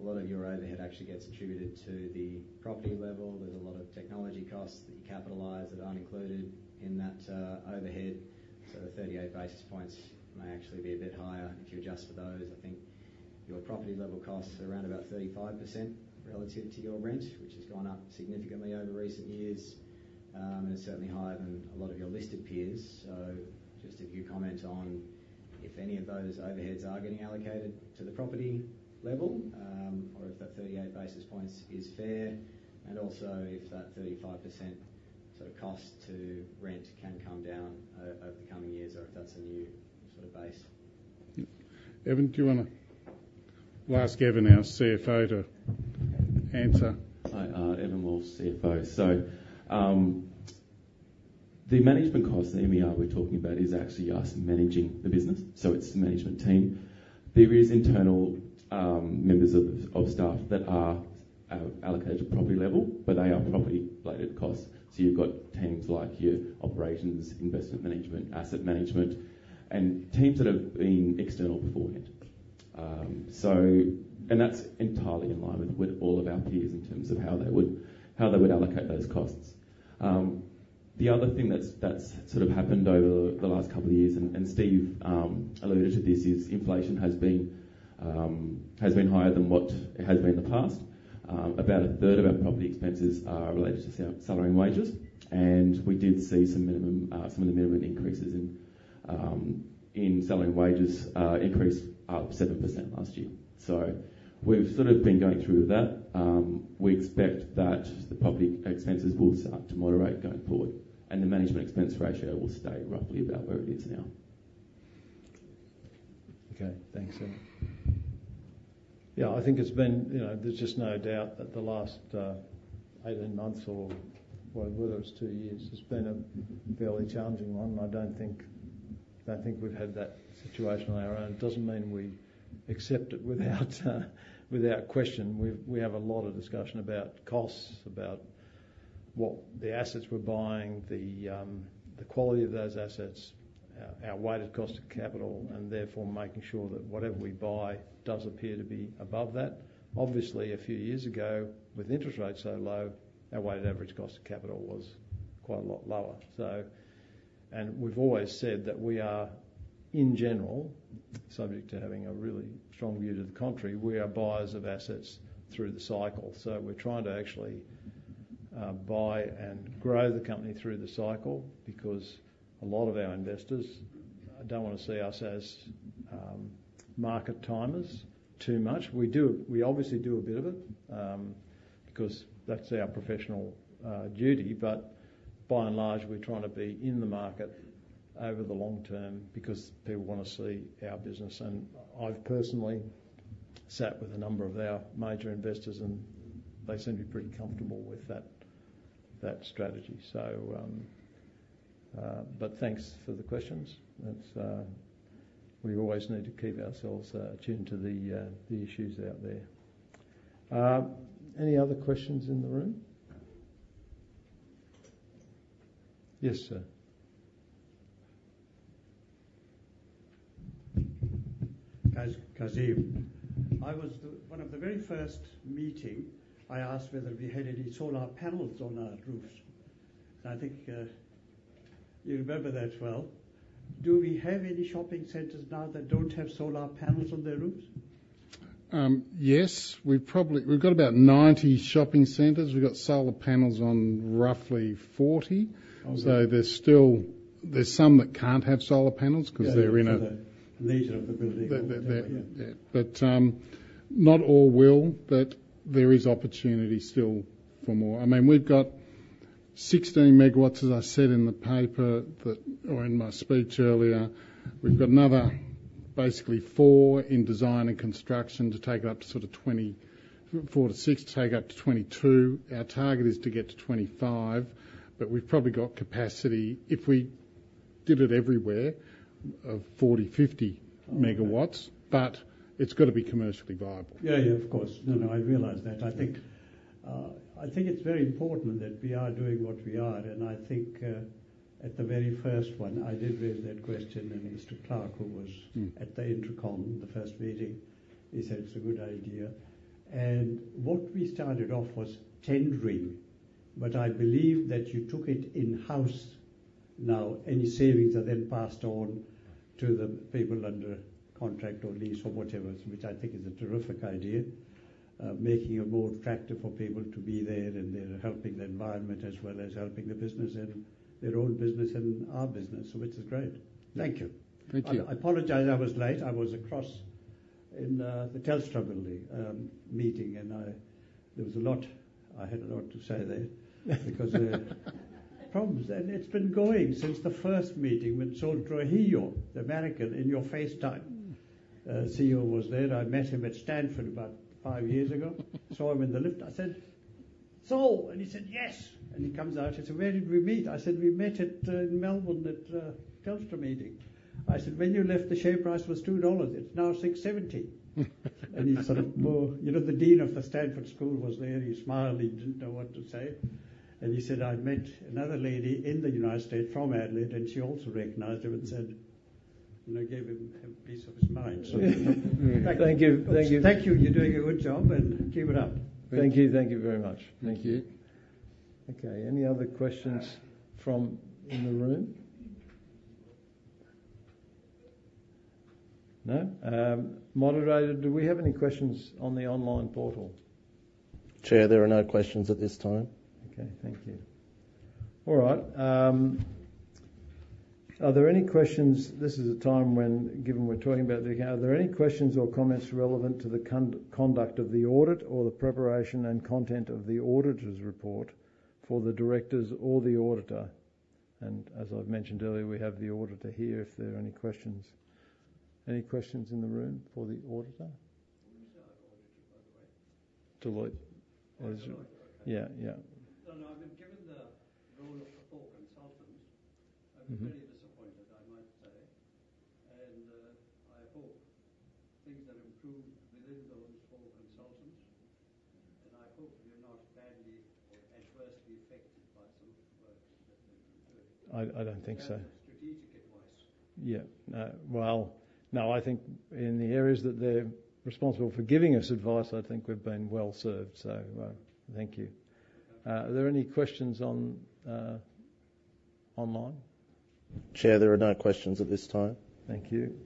a lot of your overhead actually gets attributed to the property level. There's a lot of technology costs that you capitalize that aren't included in that overhead. So the 38 basis points may actually be a bit higher if you adjust for those. I think your property level costs are around about 35% relative to your rent, which has gone up significantly over recent years, and it's certainly higher than a lot of your listed peers. So just a few comments on if any of those overheads are getting allocated to the property level, or if that 38 basis points is fair, and also if that 35% sort of cost to rent can come down over the coming years, or if that's a new sort of base. Evan, do you want to ask Evan our CFO to answer? Hi. Evan Walsh, CFO. So the management cost, the MER we're talking about, is actually us managing the business. So it's the management team. There are internal members of staff that are allocated to property level, but they are property-related costs. So you've got teams like your operations, investment management, asset management, and teams that have been external beforehand, and that's entirely in line with all of our peers in terms of how they would allocate those costs. The other thing that's sort of happened over the last couple of years, and Steve alluded to this, is inflation has been higher than what it has been in the past. About a third of our property expenses are related to salary and wages, and we did see some of the minimum increases in salary and wages increase up 7% last year, so we've sort of been going through with that. We expect that the property expenses will start to moderate going forward, and the management expense ratio will stay roughly about where it is now. Okay. Thanks, Evan. Yeah. I think it's been; there's just no doubt that the last eight, nine months, or whether it's two years, it's been a fairly challenging one, and I don't think we've had that situation on our own. It doesn't mean we accept it without question. We have a lot of discussion about costs, about what the assets we're buying, the quality of those assets, our weighted cost of capital, and therefore making sure that whatever we buy does appear to be above that. Obviously, a few years ago, with interest rates so low, our weighted average cost of capital was quite a lot lower. And we've always said that we are, in general, subject to having a really strong view to the country, we are buyers of assets through the cycle. So we're trying to actually buy and grow the company through the cycle because a lot of our investors don't want to see us as market timers too much. We obviously do a bit of it because that's our professional duty, but by and large, we're trying to be in the market over the long term because people want to see our business. And I've personally sat with a number of our major investors, and they seem to be pretty comfortable with that strategy. But thanks for the questions. We always need to keep ourselves attuned to the issues out there. Any other questions in the room? Yes, sir. Kazim, in one of the very first meetings I asked whether we had any solar panels on our roofs. And I think you remember that well. Do we have any shopping centers now that don't have solar panels on their roofs? Yes. We've got about 90 shopping centers. We've got solar panels on roughly 40. So there's some that can't have solar panels because they're in a major of the building. Yeah. But not all will, but there is opportunity still for more. I mean, we've got 16 megawatts, as I said in the paper or in my speech earlier. We've got another basically four in design and construction to take it up to sort of 24 to 6, take it up to 22. Our target is to get to 25, but we've probably got capacity, if we did it everywhere, of 40-50 megawatts, but it's got to be commercially viable. Yeah, yeah, of course. No, no, I realize that. I think it's very important that we are doing what we are. I think at the very first one, I did raise that question and Mr. Clarke, who was at the Intercom, the first meeting, he said it's a good idea. And what we started off was tendering, but I believe that you took it in-house now, and your savings are then passed on to the people under contract or lease or whatever, which I think is a terrific idea, making it more attractive for people to be there and they're helping the environment as well as helping the business and their own business and our business, which is great. Thank you. Thank you. I apologize. I was late. I was across in the Telstra building meeting, and there was a lot I had a lot to say there because problems. And it's been going since the first meeting with Sol Trujillo, the American in-your-face CEO was there. I met him at Stanford about five years ago. Saw him in the elevator. I said, "Saul." And he said, "Yes." And he comes out. He said, "Where did we meet?" I said, "We met at Melbourne at Telstra meeting." I said, "When you left, the share price was 2 dollars. It's now 6.70." And he sort of, you know, the dean of the Stanford School was there. He smiled. He didn't know what to say. And he said, "I met another lady in the United States from Adelaide," and she also recognized him and said, and gave him a piece of his mind. Thank you. Thank you. Thank you. You're doing a good job and keep it up. Thank you. Thank you very much. Thank you. Okay. Any other questions from the room? No? Moderator, do we have any questions on the online portal? Chair, there are no questions at this time. Okay. Thank you. All right. Are there any questions? This is a time when, given we're talking about the account, are there any questions or comments relevant to the conduct of the audit or the preparation and content of the auditor's report for the directors or the auditor? And as I've mentioned earlier, we have the auditor here if there are any questions. Any questions in the room for the auditor? Who's our auditor, by the way? Deloitte. Yeah. Yeah. No, no. I mean, given the role of the four consultants, I'm very disappointed, I might say. And I hope things are improved within those four consultants, and I hope we're not badly or adversely affected by some of the work that they've been doing. I don't think so. Strategic advice. Yeah. Well, no, I think in the areas that they're responsible for giving us advice, I think we've been well served. So thank you. Are there any questions online? Chair, there are no questions at this time. Thank you.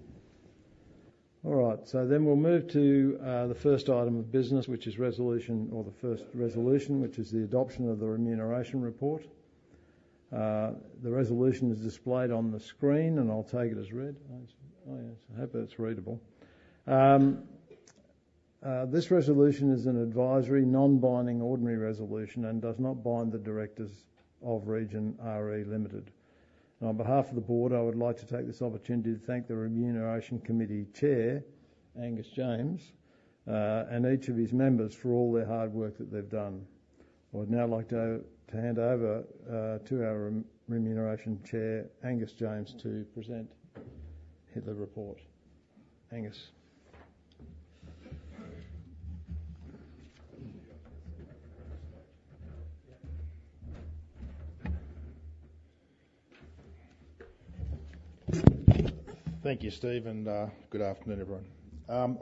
All right. So then we'll move to the first item of business, which is resolution or the first resolution, which is the adoption of the remuneration report. The resolution is displayed on the screen, and I'll take it as read. Oh, yeah. I hope that's readable. This resolution is an advisory, non-binding ordinary resolution and does not bind the directors of Region Group. On behalf of the board, I would like to take this opportunity to thank the Remuneration Committee Chair, Angus James, and each of his members for all their hard work that they've done. I would now like to hand over to our Remuneration Chair, Angus James, to present the report. Angus. Thank you, Steve, and good afternoon, everyone.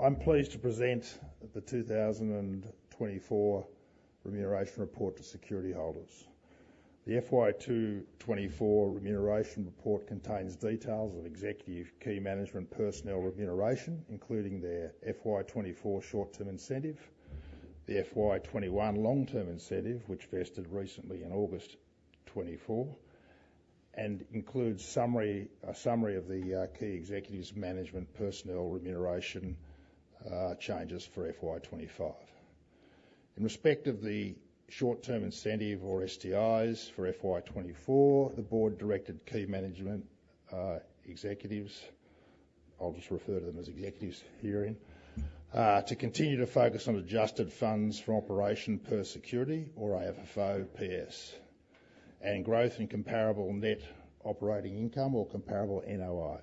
I'm pleased to present the 2024 remuneration report to security holders. The FY24 remuneration report contains details of executive key management personnel remuneration, including their FY24 short-term incentive, the FY21 long-term incentive, which vested recently in August 2024, and includes a summary of the key executives' management personnel remuneration changes for FY25. In respect of the short-term incentive or STIs for FY24, the board directed key management executives, I'll just refer to them as executives here, to continue to focus on adjusted funds for operation per security, or AFFOPS, and growth in comparable net operating income or comparable NOI.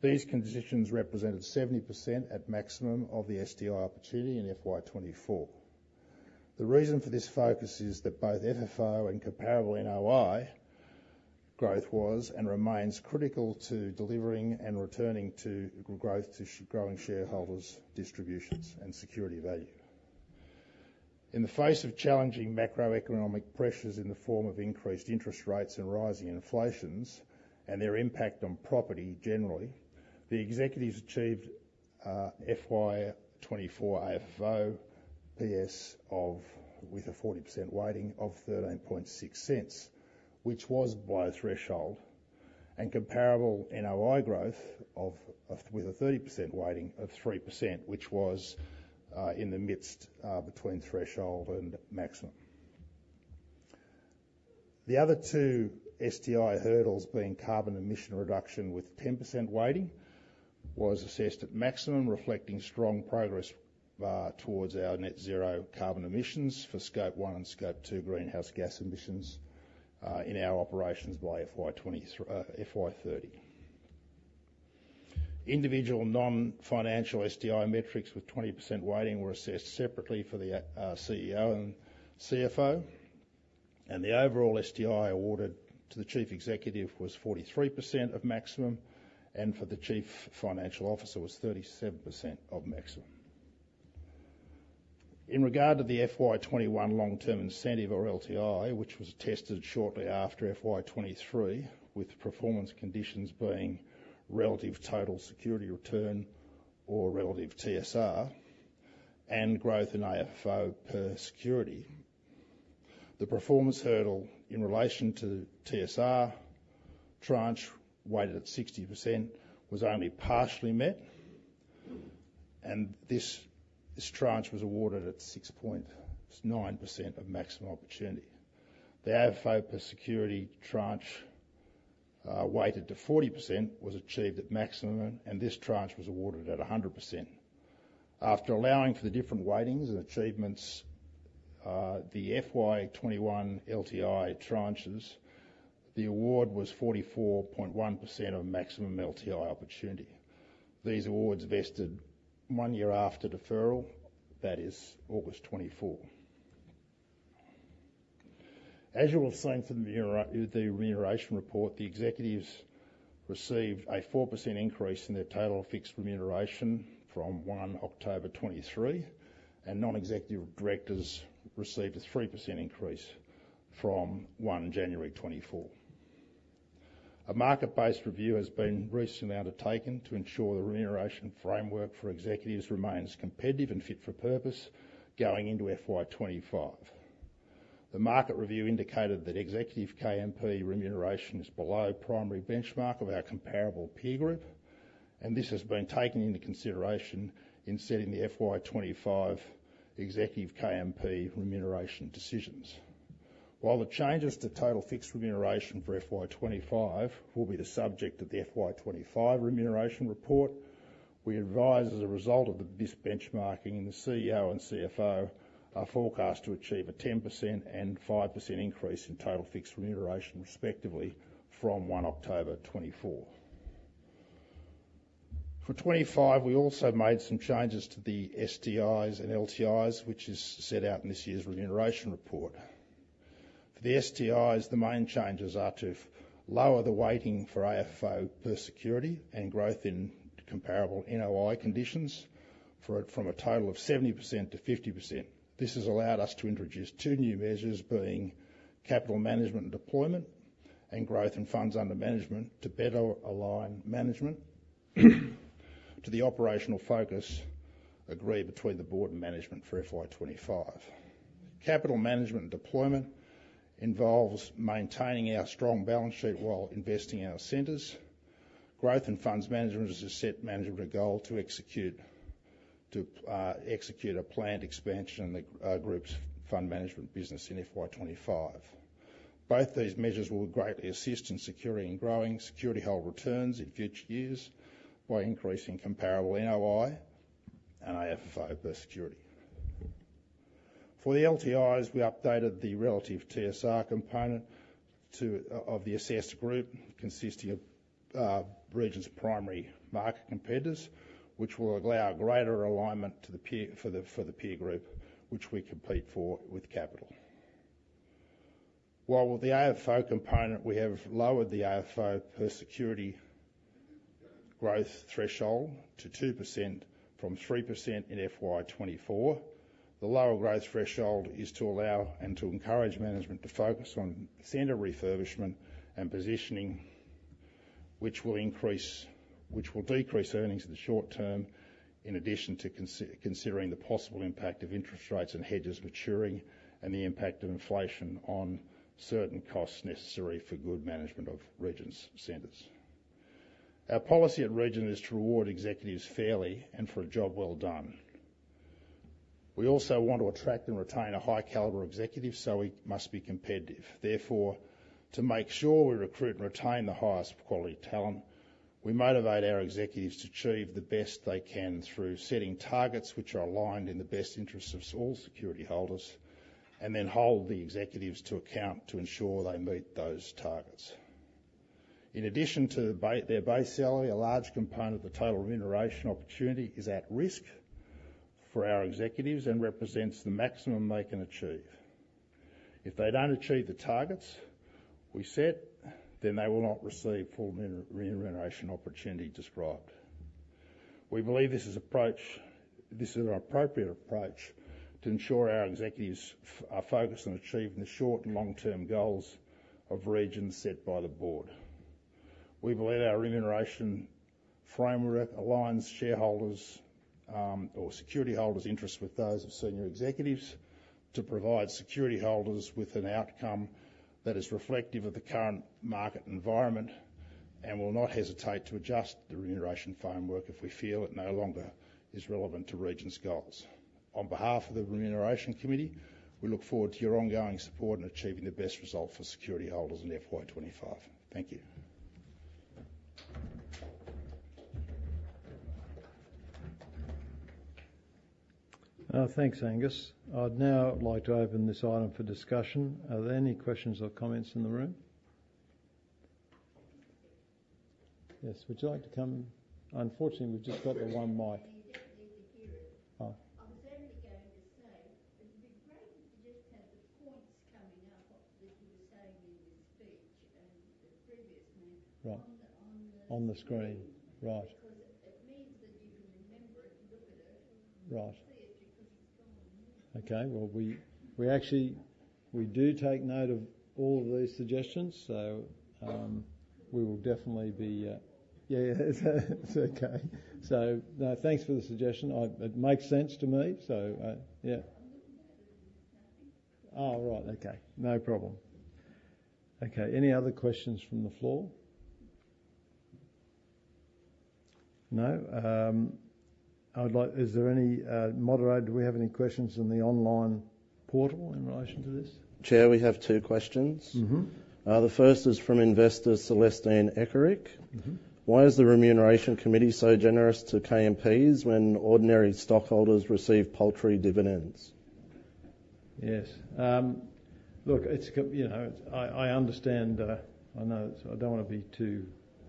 These conditions represented 70% at maximum of the STI opportunity in FY24. The reason for this focus is that both FFO and comparable NOI growth was and remains critical to delivering and returning to growth to growing shareholders' distributions and security value. In the face of challenging macroeconomic pressures in the form of increased interest rates and rising inflation and their impact on property generally, the executives achieved FY24 AFFO with a 40% weighting of 0.136, which was below threshold, and comparable NOI growth with a 30% weighting of 3%, which was in the midst between threshold and maximum. The other two STI hurdles being carbon emission reduction with 10% weighting was assessed at maximum, reflecting strong progress towards our Net Zero carbon emissions for Scope 1 and Scope 2 greenhouse gas emissions in our operations by FY30. Individual non-financial STI metrics with 20% weighting were assessed separately for the CEO and CFO, and the overall STI awarded to the Chief Executive was 43% of maximum, and for the Chief Financial Officer was 37% of maximum. In regard to the FY21 long-term incentive or LTI, which was tested shortly after FY23, with performance conditions being relative total security return or relative TSR and growth in AFFO per security, the performance hurdle in relation to TSR tranche weighted at 60% was only partially met, and this tranche was awarded at 6.9% of maximum opportunity. The AFFO per security tranche weighted to 40% was achieved at maximum, and this tranche was awarded at 100%. After allowing for the different weightings and achievements, the FY21 LTI tranches, the award was 44.1% of maximum LTI opportunity. These awards vested one year after deferral, that is August 2024. As you will have seen from the remuneration report, the executives received a 4% increase in their total fixed remuneration from 1 October 2023, and non-executive directors received a 3% increase from 1 January 2024. A market-based review has been recently undertaken to ensure the remuneration framework for executives remains competitive and fit for purpose going into FY25. The market review indicated that executive KMP remuneration is below primary benchmark of our comparable peer group, and this has been taken into consideration in setting the FY25 executive KMP remuneration decisions. While the changes to total fixed remuneration for FY25 will be the subject of the FY25 remuneration report, we advise as a result of this benchmarking, the CEO and CFO are forecast to achieve a 10% and 5% increase in total fixed remuneration respectively from 1 October 2024. For 2025, we also made some changes to the STIs and LTIs, which is set out in this year's remuneration report. For the STIs, the main changes are to lower the weighting for AFFO per security and growth in comparable NOI conditions from a total of 70% to 50%. This has allowed us to introduce two new measures being capital management and deployment and growth and funds under management to better align management to the operational focus agreed between the board and management for FY25. Capital management and deployment involves maintaining our strong balance sheet while investing in our centers. Growth and funds management has set management a goal to execute a planned expansion in the group's fund management business in FY25. Both these measures will greatly assist in securing and growing securityholder returns in future years by increasing comparable NOI and AFFO per security. For the LTIs, we updated the relative TSR component of the assessed group consisting of Region's primary market competitors, which will allow greater alignment for the peer group, which we compete for with capital. While with the AFFO component, we have lowered the AFFO per security growth threshold to 2% from 3% in FY24. The lower growth threshold is to allow and to encourage management to focus on center refurbishment and positioning, which will decrease earnings in the short term in addition to considering the possible impact of interest rates and hedges maturing and the impact of inflation on certain costs necessary for good management of Region's centers. Our policy at Region is to reward executives fairly and for a job well done. We also want to attract and retain a high caliber executive, so we must be competitive. Therefore, to make sure we recruit and retain the highest quality talent, we motivate our executives to achieve the best they can through setting targets which are aligned in the best interests of all security holders and then hold the executives to account to ensure they meet those targets. In addition to their base salary, a large component of the total remuneration opportunity is at risk for our executives and represents the maximum they can achieve. If they don't achieve the targets we set, then they will not receive full remuneration opportunity described. We believe this is an appropriate approach to ensure our executives are focused on achieving the short and long-term goals of Region's set by the board. We believe our remuneration framework aligns shareholders' or security holders' interests with those of senior executives to provide security holders with an outcome that is reflective of the current market environment and will not hesitate to adjust the remuneration framework if we feel it no longer is relevant to Region's goals. On behalf of the Remuneration Committee, we look forward to your ongoing support in achieving the best result for security holders in FY25. Thank you. Thanks, Angus. I'd now like to open this item for discussion. Are there any questions or comments in the room? Yes. Would you like to come? Unfortunately, we've just got the one mic. I was only going to say, it'd be great if you just had the points coming up that you were saying in this speech and the previous one. On the screen. Right. Because it means that you can remember it and look at it and see it because it's gone on the news. Okay. Well, we do take note of all of these suggestions, so we will definitely be. Yeah. Yeah. It's okay. So thanks for the suggestion. It makes sense to me. So yeah. I'm looking at it and there's nothing. Oh, right. Okay. No problem. Okay. Any other questions from the floor? No? Is there any? Moderator, do we have any questions in the online portal in relation to this? Chair, we have two questions. The first is from investor Celestine Eckerick. Why is the remuneration committee so generous to KMPs when ordinary stockholders receive paltry dividends? Yes. Look, I understand. I know I don't want to be too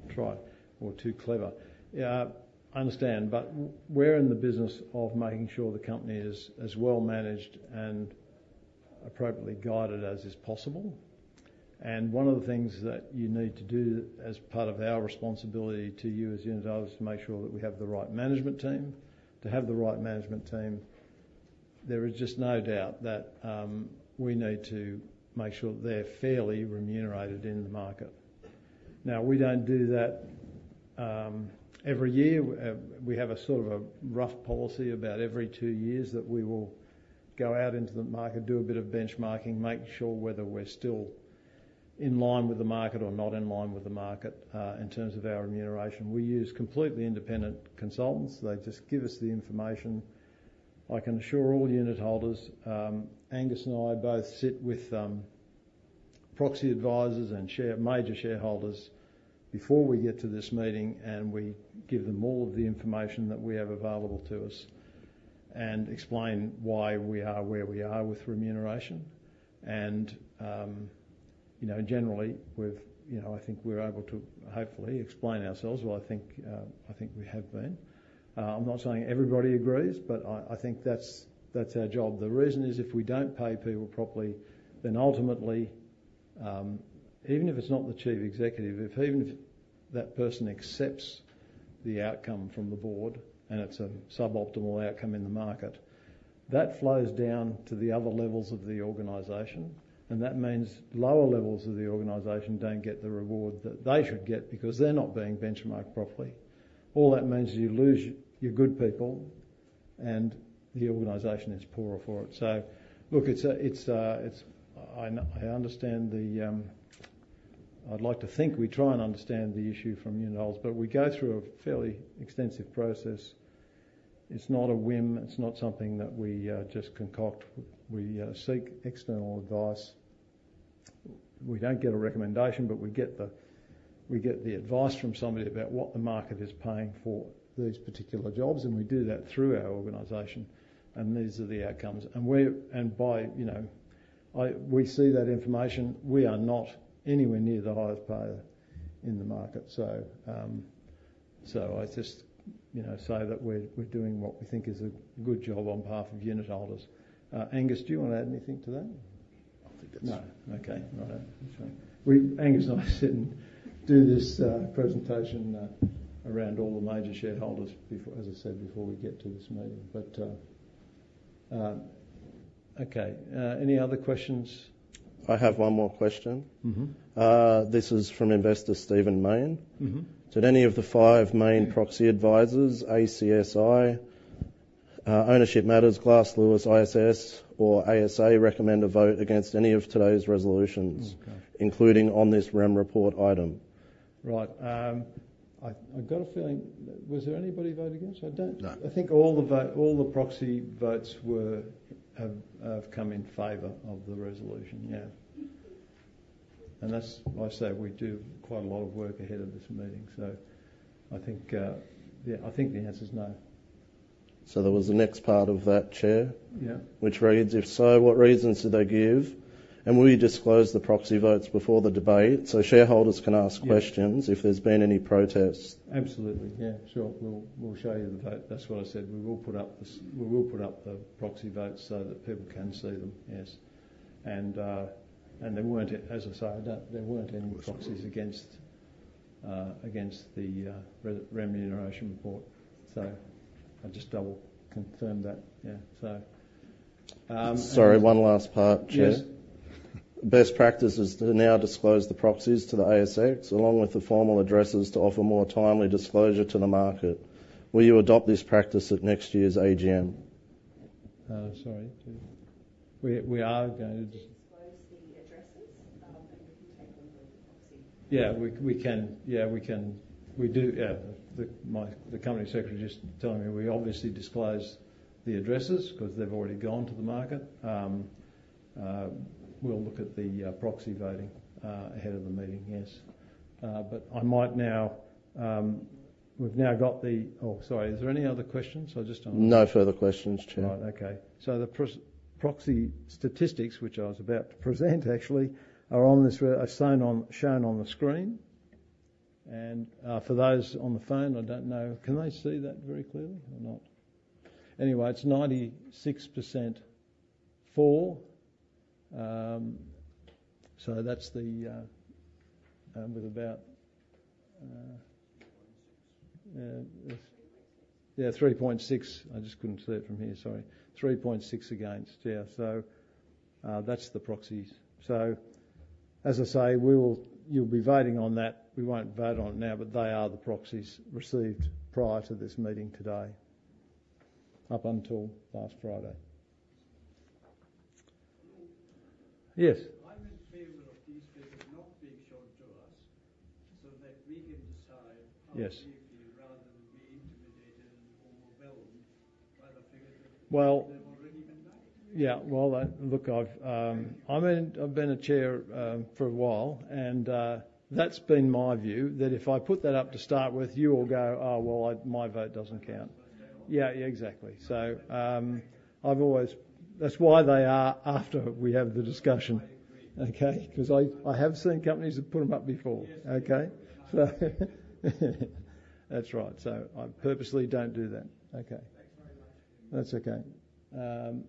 trite or too clever. I understand, but we're in the business of making sure the company is as well managed and appropriately guided as is possible. And one of the things that you need to do as part of our responsibility to you as unit owners is to make sure that we have the right management team. To have the right management team, there is just no doubt that we need to make sure that they're fairly remunerated in the market. Now, we don't do that every year. We have a sort of a rough policy about every two years that we will go out into the market, do a bit of benchmarking, make sure whether we're still in line with the market or not in line with the market in terms of our remuneration. We use completely independent consultants. They just give us the information. I can assure all unit holders, Angus and I both sit with proxy advisors and major shareholders before we get to this meeting, and we give them all of the information that we have available to us and explain why we are where we are with remuneration, and generally, I think we're able to hopefully explain ourselves, well, I think we have been. I'm not saying everybody agrees, but I think that's our job. The reason is if we don't pay people properly, then ultimately, even if it's not the chief executive, if even if that person accepts the outcome from the board and it's a suboptimal outcome in the market, that flows down to the other levels of the organization, and that means lower levels of the organization don't get the reward that they should get because they're not being benchmarked properly. All that means you lose your good people, and the organization is poorer for it. So look, I understand the. I'd like to think we try and understand the issue from unit holders, but we go through a fairly extensive process. It's not a whim. It's not something that we just concoct. We seek external advice. We don't get a recommendation, but we get the advice from somebody about what the market is paying for these particular jobs, and we do that through our organization, and these are the outcomes. And we see that information. We are not anywhere near the highest payer in the market. So I just say that we're doing what we think is a good job on behalf of unit holders. Angus, do you want to add anything to that? I think that's it. No. Okay. All right. Angus and I sit and do this presentation around all the major shareholders, as I said, before we get to this meeting. But okay. Any other questions? I have one more question. This is from investor Stephen Main. Did any of the five main proxy advisors, ACSI, Ownership Matters, Glass Lewis, ISS, or ASA recommend a vote against any of today's resolutions, including on this REM report item? Right. I've got a feeling was there anybody voted against? I don't. No. I think all the proxy votes have come in favor of the resolution. Yeah. And that's why I say we do quite a lot of work ahead of this meeting. So I think the answer is no. So there was the next part of that, Chair, which reads, "If so, what reasons did they give? Will you disclose the proxy votes before the debate so shareholders can ask questions if there's been any protests?" Absolutely. Yeah. Sure. We'll show you the vote. That's what I said. We will put up the proxy votes so that people can see them. Yes. And as I say, there weren't any proxies against the remuneration report. So I just double-confirmed that. Yeah. Sorry. One last part, Chair. Yes. Best practice is to now disclose the proxies to the ASX along with the formal addresses to offer more timely disclosure to the market. Will you adopt this practice at next year's AGM? Sorry. We are going to disclose the addresses, and we can take on the proxy. Yeah. We can. Yeah. We can. The company secretary just told me we obviously disclose the addresses because they've already gone to the market. We'll look at the proxy voting ahead of the meeting. Yes. Oh, sorry. Is there any other questions? No further questions, Chair. Right. Okay. So the proxy statistics, which I was about to present actually, are shown on the screen. For those on the phone, can they see that very clearly or not? Anyway, it's 96% for. So that's the, yeah, 3.6%. I just couldn't see it from here. Sorry. 3.6% against. Yeah. So that's the proxies. So as I say, you'll be voting on that. We won't vote on it now, but they are the proxies received prior to this meeting today up until last Friday. Yes. I'm in favor of these figures not being shown to us so that we can decide how to form a view rather than be intimidated or overwhelmed by the figures that have already been made. Yeah. Well, look, I've been a chair for a while, and that's been my view that if I put that up to start with, you all go, "Oh, well, my vote doesn't count." Yeah. Exactly. So that's why they are after we have the discussion. Okay? Because I have seen companies that have put them up before. Okay? So that's right. So I purposely don't do that. Okay. That's okay.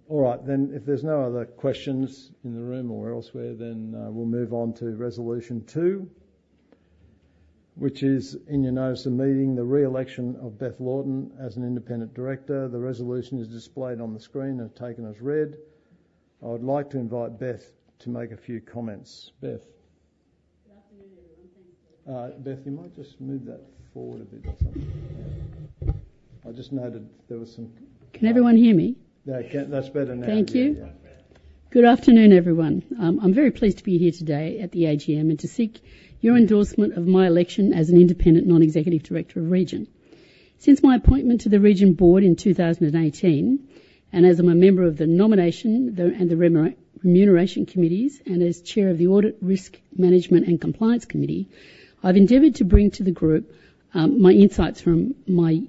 All right. Then if there's no other questions in the room or elsewhere, then we'll move on to resolution two, which is in your notice of meeting, the re-election of Beth Laughton as an independent director. The resolution is displayed on the screen and taken as read. I would like to invite Beth to make a few comments. Beth. Good afternoon, everyone. Beth, you might just move that forward a bit. Can everyone hear me? That's better now. Thank you. Good afternoon, everyone. I'm very pleased to be here today at the AGM and to seek your endorsement of my election as an independent non-executive director of Region. Since my appointment to the Region board in 2018, and as I'm a member of the nomination and the remuneration committees, and as chair of the audit risk management and compliance committee, I've endeavored to bring to the group my insights from my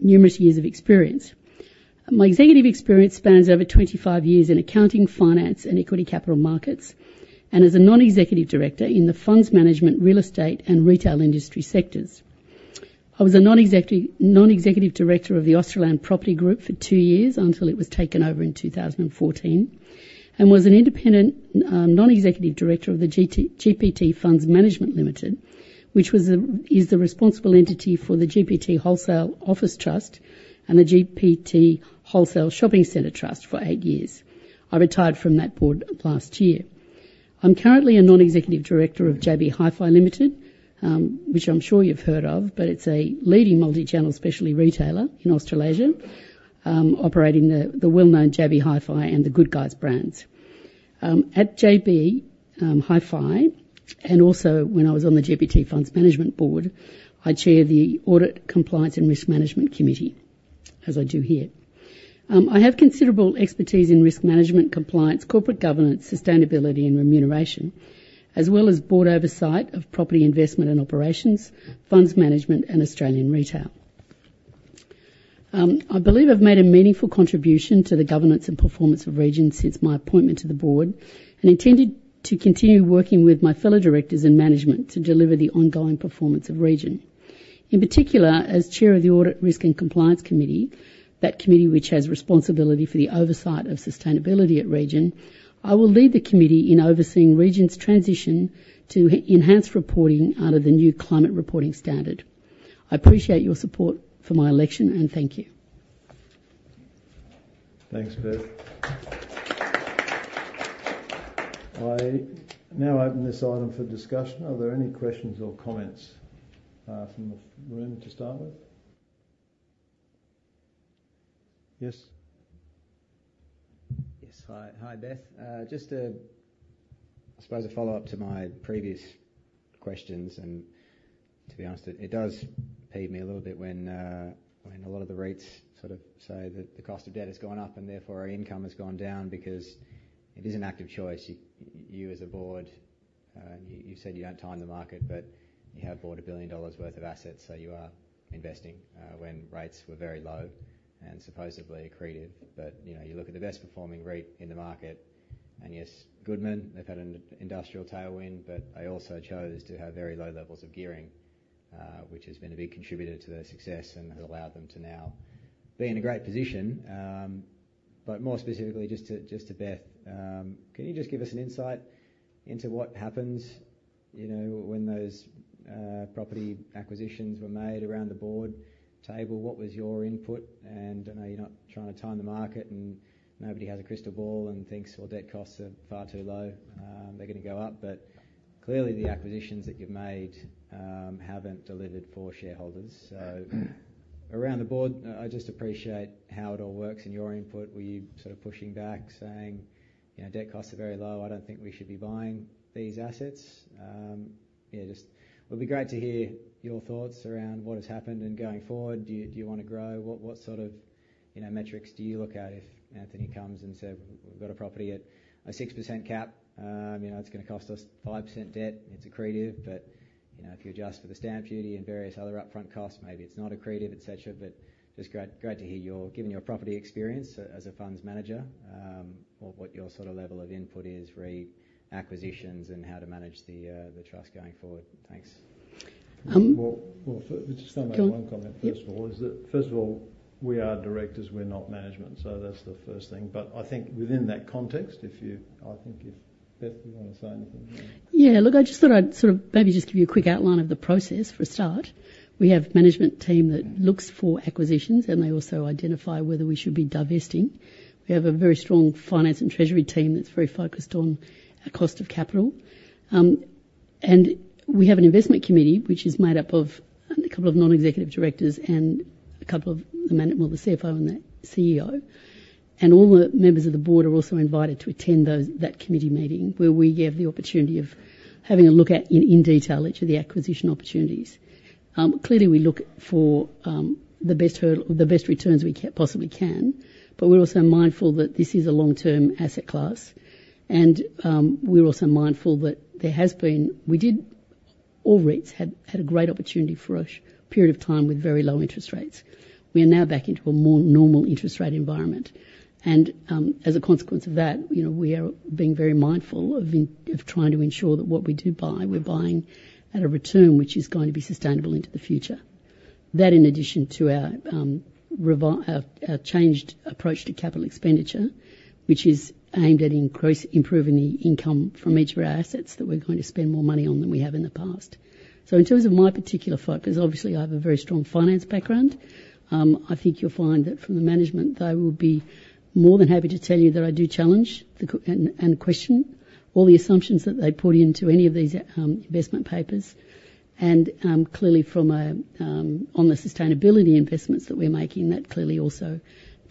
numerous years of experience. My executive experience spans over 25 years in accounting, finance, and equity capital markets, and as a non-executive director in the funds management, real estate, and retail industry sectors. I was a non-executive director of the Australand Property Group for two years until it was taken over in 2014, and was an independent non-executive director of the GPT Funds Management Limited, which is the responsible entity for the GPT Wholesale Office Trust and the GPT Wholesale Shopping Centre Trust for eight years. I retired from that board last year. I'm currently a non-executive director of JB Hi-Fi Limited, which I'm sure you've heard of, but it's a leading multi-channel specialty retailer in Australasia operating the well-known JB Hi-Fi and the Good Guys brands. At JB Hi-Fi, and also when I was on the GPT Funds Management Board, I chair the Audit Compliance and Risk Management Committee, as I do here. I have considerable expertise in risk management, compliance, corporate governance, sustainability, and remuneration, as well as board oversight of property investment and operations, funds management, and Australian retail. I believe I've made a meaningful contribution to the governance and performance of Region since my appointment to the board and intended to continue working with my fellow directors and management to deliver the ongoing performance of Region. In particular, as Chair of the Audit Risk and Compliance Committee, that committee which has responsibility for the oversight of sustainability at Region, I will lead the committee in overseeing Region's transition to enhanced reporting under the new climate reporting standard. I appreciate your support for my election and thank you. Thanks, Beth. I now open this item for discussion. Are there any questions or comments from the room to start with? Yes. Yes. Hi, Beth. Just, I suppose, a follow-up to my previous questions, and to be honest, it pains me a little bit when a lot of the REITs sort of say that the cost of debt has gone up and therefore our income has gone down because it is an active choice. You, as a board, you've said you don't time the market, but you have bought 1 billion dollars worth of assets, so you are investing when rates were very low and supposedly accretive, but you look at the best-performing REIT in the market, and yes, Goodman, they've had an industrial tailwind, but they also chose to have very low levels of gearing, which has been a big contributor to their success and has allowed them to now be in a great position. But more specifically, just to Beth, can you just give us an insight into what happens when those property acquisitions were made around the board table? What was your input? And I know you're not trying to time the market, and nobody has a crystal ball and thinks, "Well, debt costs are far too low. They're going to go up." But clearly, the acquisitions that you've made haven't delivered for shareholders. So around the board, I just appreciate how it all works and your input. Were you sort of pushing back, saying, "Debt costs are very low. I don't think we should be buying these assets"? Yeah. It would be great to hear your thoughts around what has happened and going forward. Do you want to grow? What sort of metrics do you look at if Anthony comes and says, "We've got a property at a 6% cap. It's going to cost us 5% debt. It's accretive. But if you adjust for the stamp duty and various other upfront costs, maybe it's not accretive," etc. But just great to hear you, given your property experience as a funds manager or what your sort of level of input is for acquisitions and how to manage the trust going forward. Thanks. Well, just one comment. First of all, we are directors. We're not management. So that's the first thing. But I think within that context, I think if Beth, do you want to say anything? Yeah. Look, I just thought I'd sort of maybe just give you a quick outline of the process for a start. We have a management team that looks for acquisitions, and they also identify whether we should be divesting. We have a very strong finance and treasury team that's very focused on cost of capital. We have an investment committee which is made up of a couple of non-executive directors and a couple of the CFO and the CEO. All the members of the board are also invited to attend that committee meeting where we give the opportunity of having a look at in detail each of the acquisition opportunities. Clearly, we look for the best returns we possibly can, but we're also mindful that this is a long-term asset class. We're also mindful that there has been a great opportunity for a period of time with very low interest rates. We are now back into a more normal interest rate environment. As a consequence of that, we are being very mindful of trying to ensure that what we do buy, we're buying at a return which is going to be sustainable into the future. That, in addition to our changed approach to capital expenditure, which is aimed at improving the income from each of our assets that we're going to spend more money on than we have in the past. So in terms of my particular focus, obviously, I have a very strong finance background. I think you'll find that from the management, they will be more than happy to tell you that I do challenge and question all the assumptions that they put into any of these investment papers. And clearly, on the sustainability investments that we're making, that clearly also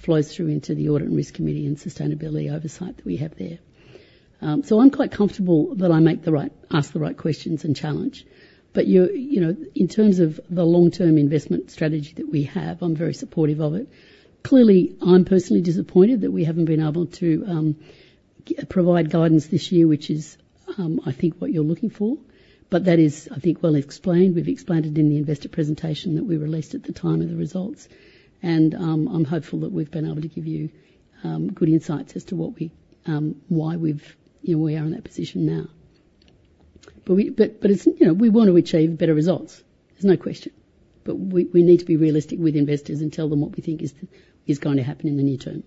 flows through into the Audit and Risk Committee and sustainability oversight that we have there. So I'm quite comfortable that I ask the right questions and challenge. But in terms of the long-term investment strategy that we have, I'm very supportive of it. Clearly, I'm personally disappointed that we haven't been able to provide guidance this year, which is, I think, what you're looking for. But that is, I think, well explained. We've explained it in the investor presentation that we released at the time of the results. And I'm hopeful that we've been able to give you good insights as to why we are in that position now. But we want to achieve better results. There's no question. But we need to be realistic with investors and tell them what we think is going to happen in the near term.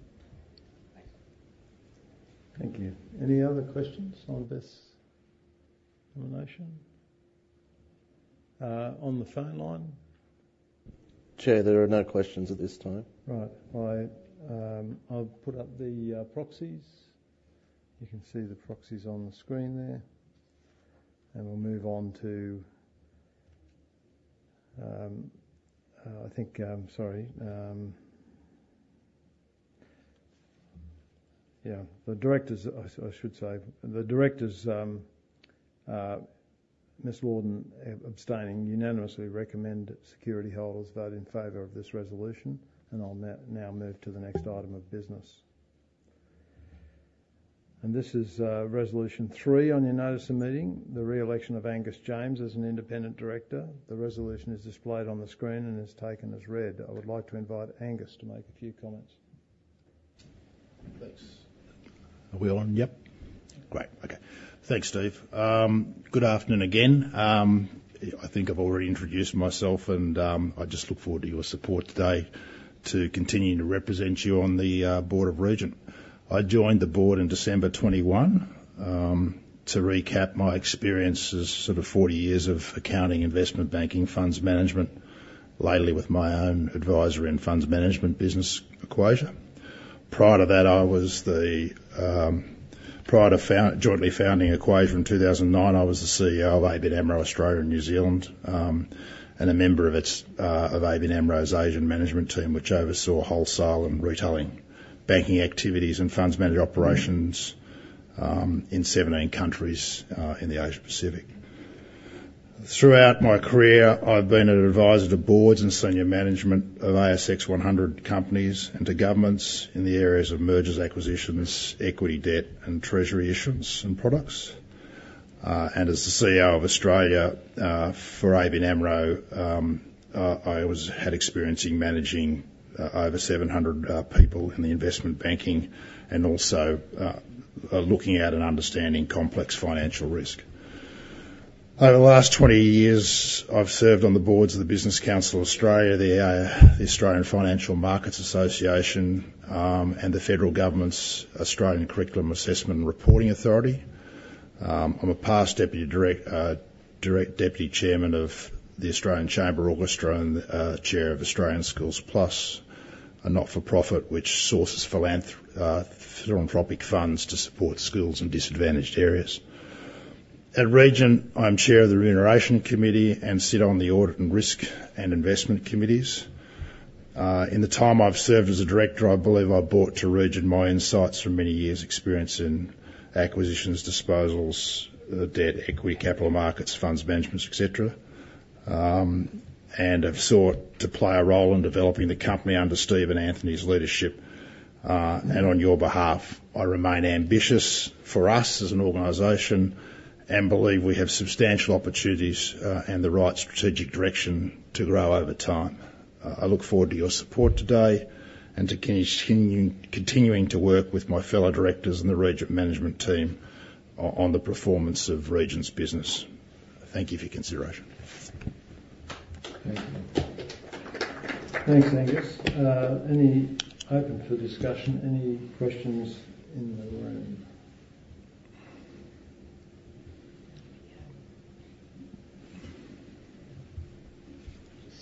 Thank you. Any other questions on this resolution? On the phone line? Chair, there are no questions at this time. Right. I'll put up the proxies. You can see the proxies on the screen there. And we'll move on to, I think, sorry. Yeah. The directors, I should say, the directors, Ms. Laughton, abstaining. Unanimously, recommend security holders vote in favor of this resolution. I'll now move to the next item of business. This is resolution three on your notice of meeting, the re-election of Angus James as an independent director. The resolution is displayed on the screen and is taken as read. I would like to invite Angus to make a few comments. Thanks. Are we on? Yep. Great. Okay. Thanks, Steve. Good afternoon again. I think I've already introduced myself, and I just look forward to your support today to continue to represent you on the board of Region. I joined the board in December 2021 to recap my experiences for the 40 years of accounting, investment banking, funds management, lately with my own advisory and funds management business Equasia. Prior to that, prior to jointly founding Equasia in 2009, I was the CEO of ABN AMRO Australia and New Zealand and a member of ABN AMRO's Asian management team, which oversaw wholesale and retail banking activities and funds management operations in 17 countries in the Asia Pacific. Throughout my career, I've been an advisor to boards and senior management of ASX 100 companies and to governments in the areas of mergers, acquisitions, equity and debt, and treasury issues and products. As the CEO of ABN AMRO Australia, I had experience in managing over 700 people in the investment banking and also looking at and understanding complex financial risk. Over the last 20 years, I've served on the boards of the Business Council of Australia, the Australian Financial Markets Association, and the Federal Government's Australian Curriculum, Assessment and Reporting Authority. I'm a past deputy chairman of the Australian Chamber Orchestra and chair of Australian Schools Plus, a not-for-profit which sources philanthropic funds to support schools in disadvantaged areas. At Region, I'm chair of the remuneration committee and sit on the audit and risk and investment committees. In the time I've served as a director, I believe I've brought to Region my insights from many years' experience in acquisitions, disposals, debt, equity capital markets, funds management, etc. And I've sought to play a role in developing the company under Steve and Anthony's leadership. And on your behalf, I remain ambitious for us as an organization and believe we have substantial opportunities and the right strategic direction to grow over time. I look forward to your support today and to continuing to work with my fellow directors and the Region management team on the performance of Region's business. Thank you for your consideration. Thank you. Thanks, Angus. Anything open for discussion? Any questions in the room?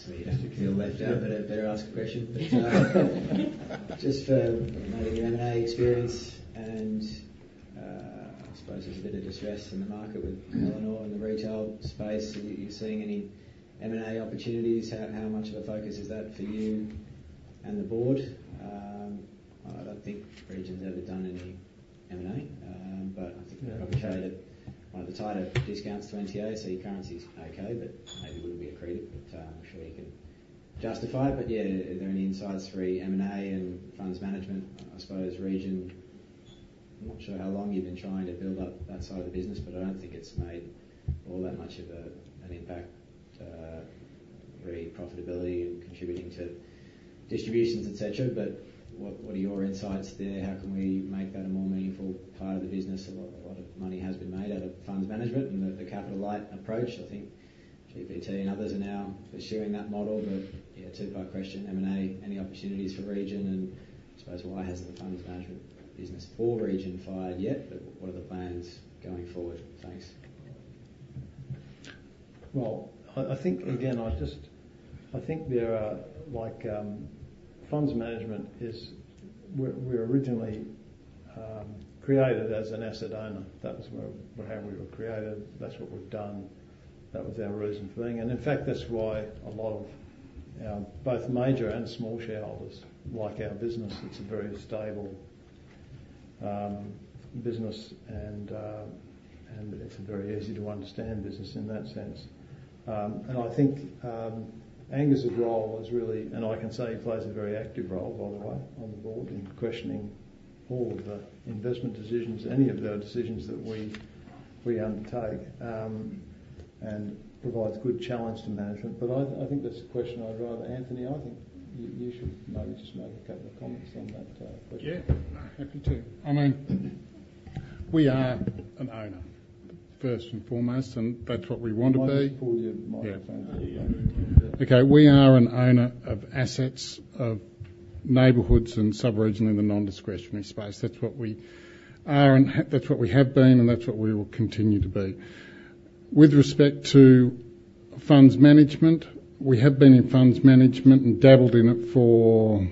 Just so you don't have to feel left out, but I better ask a question. Just for M&A experience and I suppose there's a bit of distress in the market with Eleanor in the retail space. Are you seeing any M&A opportunities? How much of a focus is that for you and the board? I don't think Region's ever done any M&A, but I think they're okay. One of the tighter discounts to NTA, so your currency's okay, but maybe wouldn't be accretive. But I'm sure you can justify it. But yeah, are there any insights for M&A and funds management? I suppose Region, I'm not sure how long you've been trying to build up that side of the business, but I don't think it's made all that much of an impact for profitability and contributing to distributions, etc. But what are your insights there? How can we make that a more meaningful part of the business? A lot of money has been made out of funds management and the capital light approach. I think GPT and others are now pursuing that model. But yeah, two-part question. M&A, any opportunities for Region? And I suppose, why hasn't the funds management business for Region fired yet? But what are the plans going forward? Thanks. Well, I think, again, I just I think there are funds management is we were originally created as an asset owner. That was how we were created. That's what we've done. That was our reason for being here. And in fact, that's why a lot of our both major and small shareholders like our business. It's a very stable business, and it's a very easy-to-understand business in that sense. And I think Angus's role is really, and I can say he plays a very active role, by the way, on the board in questioning all of the investment decisions, any of the decisions that we undertake, and provides good challenge to management. But I think that's a question I'd rather, Anthony, I think you should maybe just make a couple of comments on that question. Yeah. Happy to. I mean, we are an owner, first and foremost, and that's what we want to be. I'll just pull your microphone. Okay. We are an owner of assets of neighborhoods and sub-region in the non-discretionary space. That's what we are and that's what we have been, and that's what we will continue to be. With respect to funds management, we have been in funds management and dabbled in it for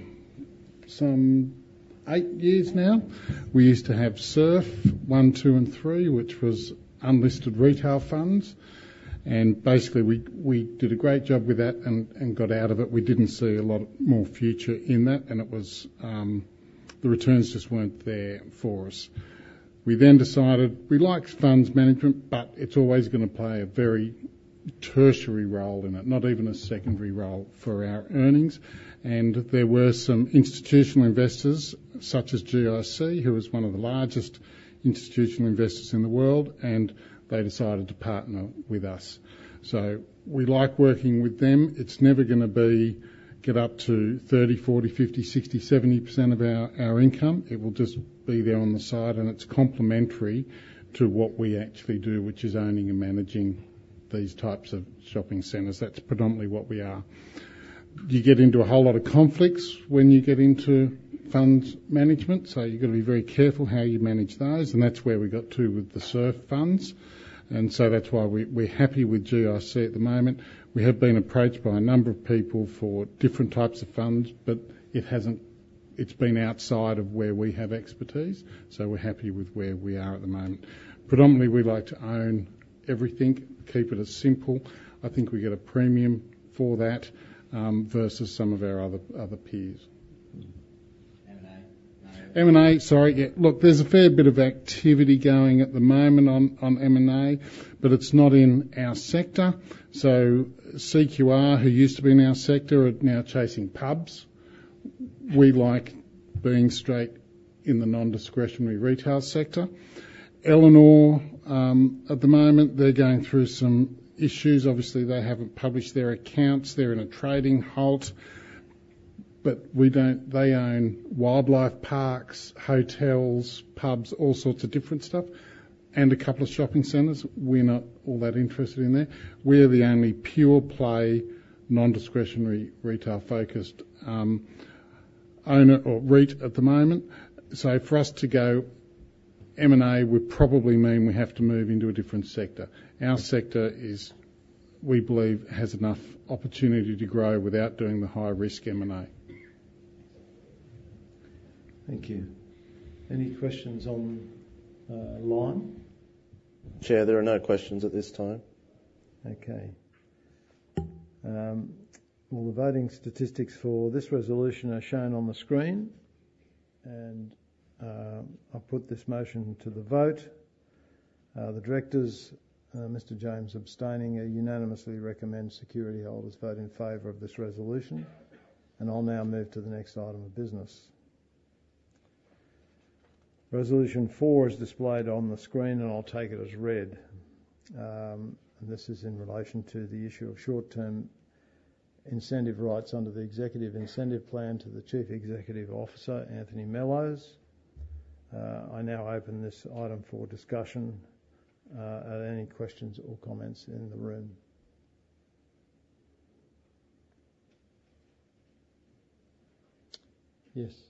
some eight years now. We used to have SURF one, two, and three, which was unlisted retail funds, and basically, we did a great job with that and got out of it. We didn't see a lot more future in that, and the returns just weren't there for us. We then decided we liked funds management, but it's always going to play a very tertiary role in it, not even a secondary role for our earnings, and there were some institutional investors such as GIC, who is one of the largest institutional investors in the world, and they decided to partner with us, so we like working with them. It's never going to get up to 30%, 40%, 50%, 60%, 70% of our income. It will just be there on the side, and it's complementary to what we actually do, which is owning and managing these types of shopping centers. That's predominantly what we are. You get into a whole lot of conflicts when you get into funds management. So you've got to be very careful how you manage those. And that's where we got to with the SURF funds. And so that's why we're happy with GIC at the moment. We have been approached by a number of people for different types of funds, but it's been outside of where we have expertise. So we're happy with where we are at the moment. Predominantly, we like to own everything, keep it as simple. I think we get a premium for that versus some of our other peers. M&A? M&A, sorry. Yeah. Look, there's a fair bit of activity going at the moment on M&A, but it's not in our sector. So CQR, who used to be in our sector, are now chasing pubs. We like being straight in the non-discretionary retail sector. Elanor, at the moment, they're going through some issues. Obviously, they haven't published their accounts. They're in a trading halt. But they own wildlife parks, hotels, pubs, all sorts of different stuff, and a couple of shopping centers. We're not all that interested in there. We're the only pure-play non-discretionary retail-focused owner or retailer at the moment. So for us to go M&A, we probably mean we have to move into a different sector. Our sector, we believe, has enough opportunity to grow without doing the high-risk M&A. Thank you. Any questions online? Chair, there are no questions at this time. Okay. The voting statistics for this resolution are shown on the screen. I'll put this motion to the vote. The directors, Mr. James abstaining, unanimously recommend security holders vote in favor of this resolution. I'll now move to the next item of business. Resolution four is displayed on the screen, and I'll take it as read. This is in relation to the issue of short-term incentive rights under the executive incentive plan to the Chief Executive Officer, Anthony Mellows. I now open this item for discussion. Are there any questions or comments in the room? Yes. I would give a comment. I want to say, well, in the last 15 months, I've changed my lifestyle.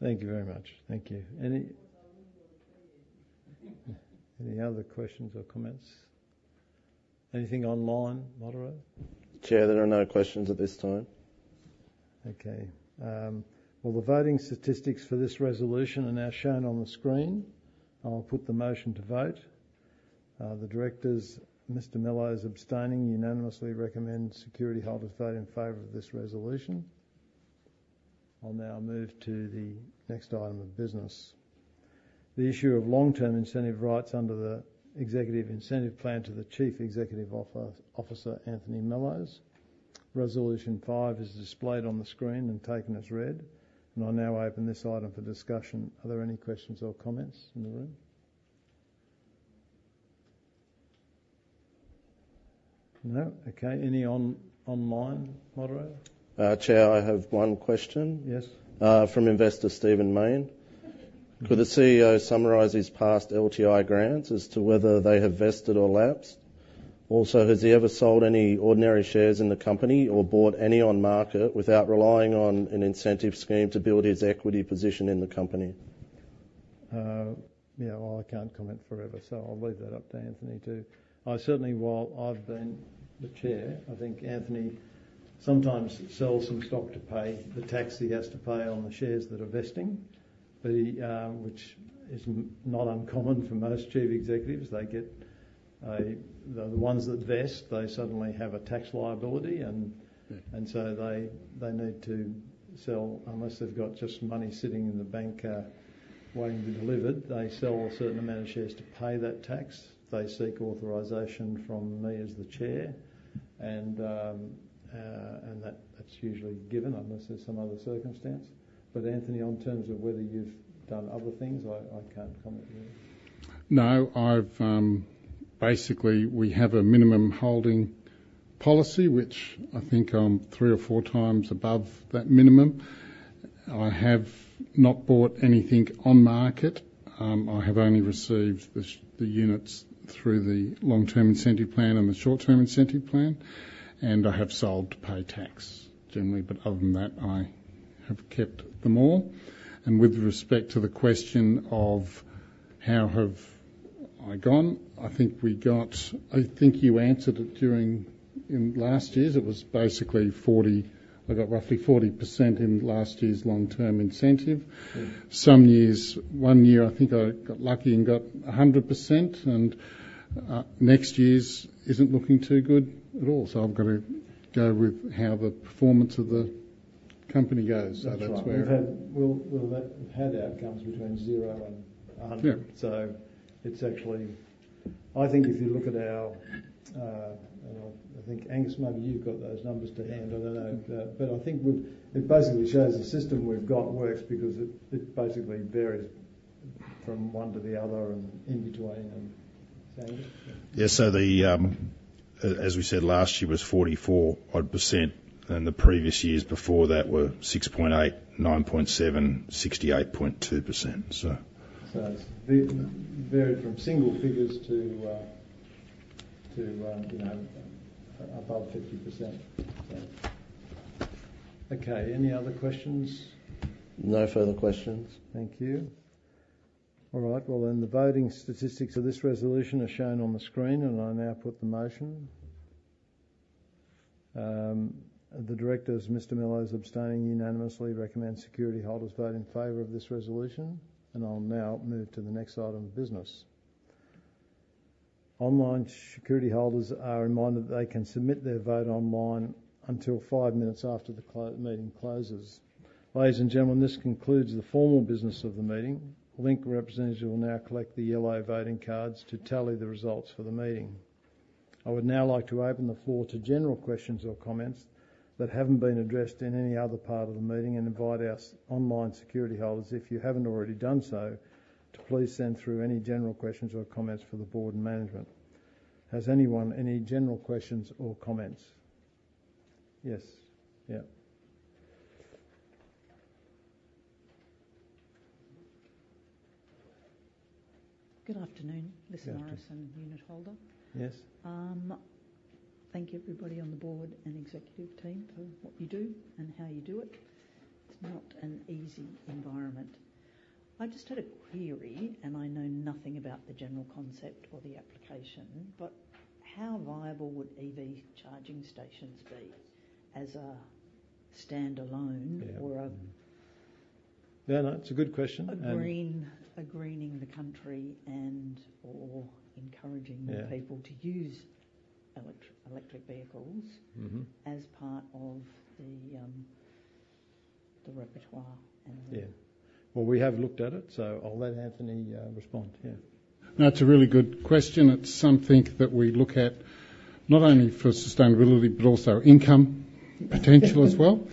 Thank you very much. Thank you. Any other questions or comments? Anything online, Moderator? Chair, there are no questions at this time. Okay. Well, the voting statistics for this resolution are now shown on the screen. I'll put the motion to vote. The directors, Mr. Mellows abstaining, unanimously recommend security holders vote in favor of this resolution. I'll now move to the next item of business. The issue of long-term incentive rights under the executive incentive plan to the Chief Executive Officer, Anthony Mellows. Resolution five is displayed on the screen and taken as read. I'll now open this item for discussion. Are there any questions or comments in the room? No? Okay. Any online, Moderator? Chair, I have one question. Yes. From investor Stephen Main. Could the CEO summarise his past LTI grants as to whether they have vested or lapsed? Also, has he ever sold any ordinary shares in the company or bought any on market without relying on an incentive scheme to build his equity position in the company? Yeah. Well, I can't comment forever, so I'll leave that up to Anthony too. Certainly, while I've been the chair, I think Anthony sometimes sells some stock to pay the tax he has to pay on the shares that are vesting, which is not uncommon for most chief executives. They get the ones that vest, they suddenly have a tax liability. And so they need to sell unless they've got just money sitting in the bank waiting to be delivered. They sell a certain amount of shares to pay that tax. They seek authorization from me as the chair. And that's usually given unless there's some other circumstance. But Anthony, in terms of whether you've done other things, I can't comment. No. Basically, we have a minimum holding policy, which I think I'm three or four times above that minimum. I have not bought anything on market. I have only received the units through the long-term incentive plan and the short-term incentive plan. I have sold to pay tax, generally. But other than that, I have kept them all. With respect to the question of how have I gone, I think we got, I think you answered it during last year. It was basically 40. I got roughly 40% in last year's long-term incentive. Some years, one year, I think I got lucky and got 100%. Next year's isn't looking too good at all. I've got to go with how the performance of the company goes. That's where we've had outcomes between zero and 100. It's actually, I think if you look at our, and I think, Angus, maybe you've got those numbers to hand. I don't know. But I think it basically shows the system we've got works because it basically varies from one to the other and in between and things. Yeah. So as we said, last year was 44%, and the previous years before that were 6.8%, 9.7%, 68.2%, so. It's varied from single figures to above 50%. Okay. Any other questions? No further questions. Thank you. All right. Well, then the voting statistics for this resolution are shown on the screen. And I'll now put the motion. The directors, Mr. Mellows abstaining, unanimously recommend security holders vote in favor of this resolution. And I'll now move to the next item of business. Online security holders are reminded that they can submit their vote online until five minutes after the meeting closes. Ladies and gentlemen, this concludes the formal business of the meeting. Link representatives will now collect the yellow voting cards to tally the results for the meeting. I would now like to open the floor to general questions or comments that haven't been addressed in any other part of the meeting and invite our online security holders, if you haven't already done so, to please send through any general questions or comments for the board and management. Has anyone any general questions or comments? Yes. Yeah. Good afternoon, Mr. Morrison, unit holder. Yes. Thank you, everybody on the board and executive team, for what you do and how you do it. It's not an easy environment. I just had a query, and I know nothing about the general concept or the application, but how viable would EV charging stations be as a stand-alone or a? Yeah. No. That's a good question. A greening the country and/or encouraging people to use electric vehicles as part of the repertoire and the? Yeah. Well, we have looked at it, so I'll let Anthony respond. Yeah. That's a really good question. It's something that we look at not only for sustainability but also income potential as well.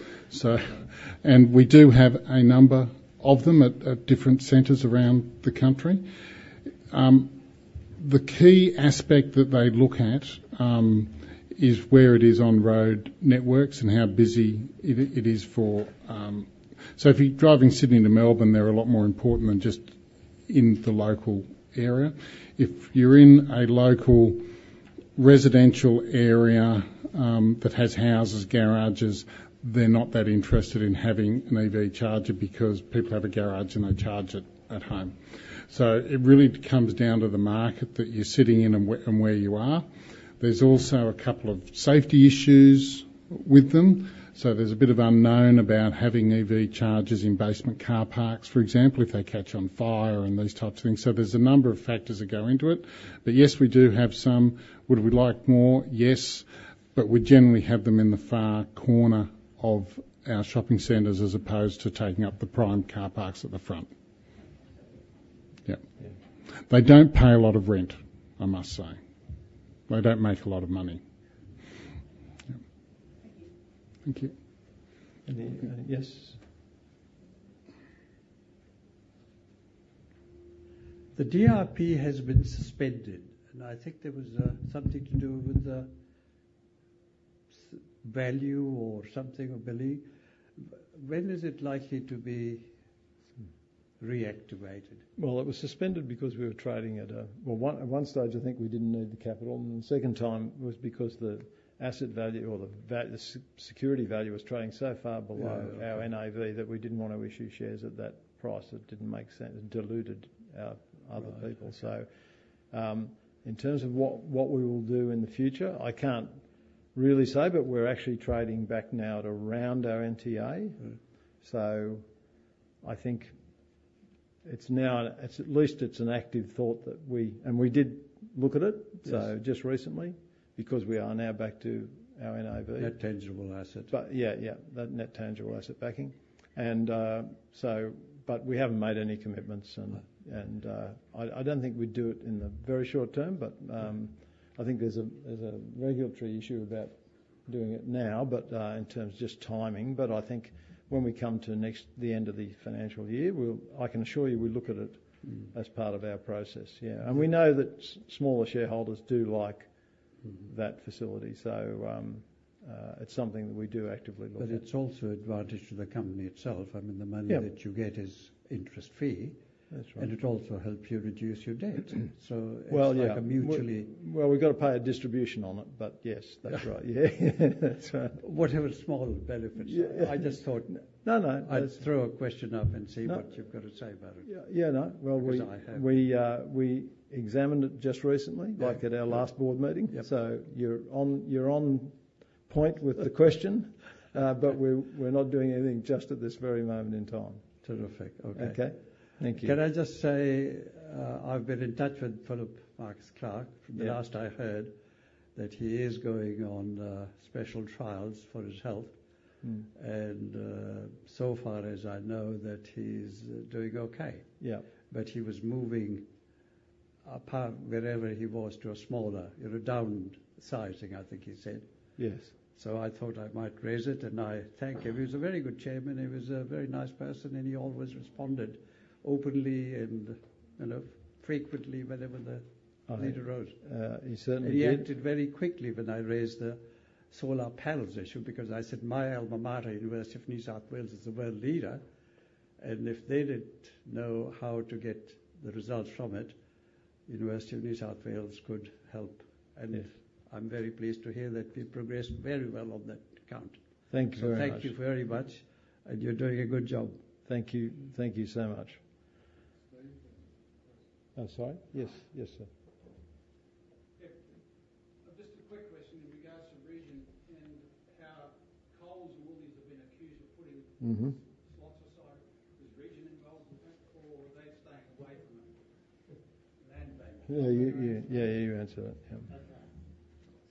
And we do have a number of them at different centers around the country. The key aspect that they look at is where it is on road networks and how busy it is for. So if you're driving Sydney to Melbourne, they're a lot more important than just in the local area. If you're in a local residential area that has houses, garages, they're not that interested in having an EV charger because people have a garage and they charge it at home. So it really comes down to the market that you're sitting in and where you are. There's also a couple of safety issues with them. So there's a bit of unknown about having EV chargers in basement car parks, for example, if they catch on fire and those types of things. So there's a number of factors that go into it. But yes, we do have some. Would we like more? Yes. But we generally have them in the far corner of our shopping centers as opposed to taking up the prime car parks at the front. Yeah. They don't pay a lot of rent, I must say. They don't make a lot of money. Thank you. Thank you. Yes. The DRP has been suspended. And I think there was something to do with value or something or billing. When is it likely to be reactivated? Well, it was suspended because we were trading at a, well, at one stage, I think we didn't need the capital. And the second time was because the asset value or the security value was trading so far below our NTA that we didn't want to issue shares at that price. It didn't make sense and diluted our other people. So in terms of what we will do in the future, I can't really say. But we're actually trading back now at around our NTA. So I think it's now. At least it's an active thought that we and we did look at it just recently because we are now back to our NTA. Net tangible asset. Yeah. Yeah. Net tangible asset backing. But we haven't made any commitments. And I don't think we'd do it in the very short term. But I think there's a regulatory issue about doing it now in terms of just timing. I think when we come to the end of the financial year, I can assure you we look at it as part of our process. Yeah. And we know that smaller shareholders do like that facility. So it's something that we do actively look at. But it's also an advantage to the company itself. I mean, the money that you get is interest-free. And it also helps you reduce your debt. So it's like a mutually. Well, yeah. Well, we've got to pay a distribution on it. But yes, that's right. Yeah. That's right. Whatever small benefits. I just thought, no, no. Let's throw a question up and see what you've got to say about it. Yeah. No. Well, we examined it just recently, like at our last board meeting. So you're on point with the question. But we're not doing anything just at this very moment in time. To the effect. Okay. Okay. Thank you. Can I just say I've been in touch with Philip Marcus Clark. The last I heard that he is going on clinical trials for his health and so far as I know that he's doing okay, but he was moving from his apartment wherever he was to a smaller, downsizing, I think he said. I thought I might raise it and I thank him. He was a very good chairman. He was a very nice person and he always responded openly and frequently whenever the issue arose. He certainly did and he acted very quickly when I raised the solar panels issue because I said, "My alma mater, University of New South Wales, is the world leader." If they didn't know how to get the results from it, University of New South Wales could help. I'm very pleased to hear that we progressed very well on that count. Thank you very much. So thank you very much. And you're doing a good job. Thank you. Thank you so much. Sorry? Yes. Yes, sir. Just a quick question in regards to Region and how Coles and Woolworths have been accused of putting slots aside. Is Region involved with that, or are they staying away from it? Land bank. Yeah. Yeah. Yeah. You answer that. Yeah. Okay.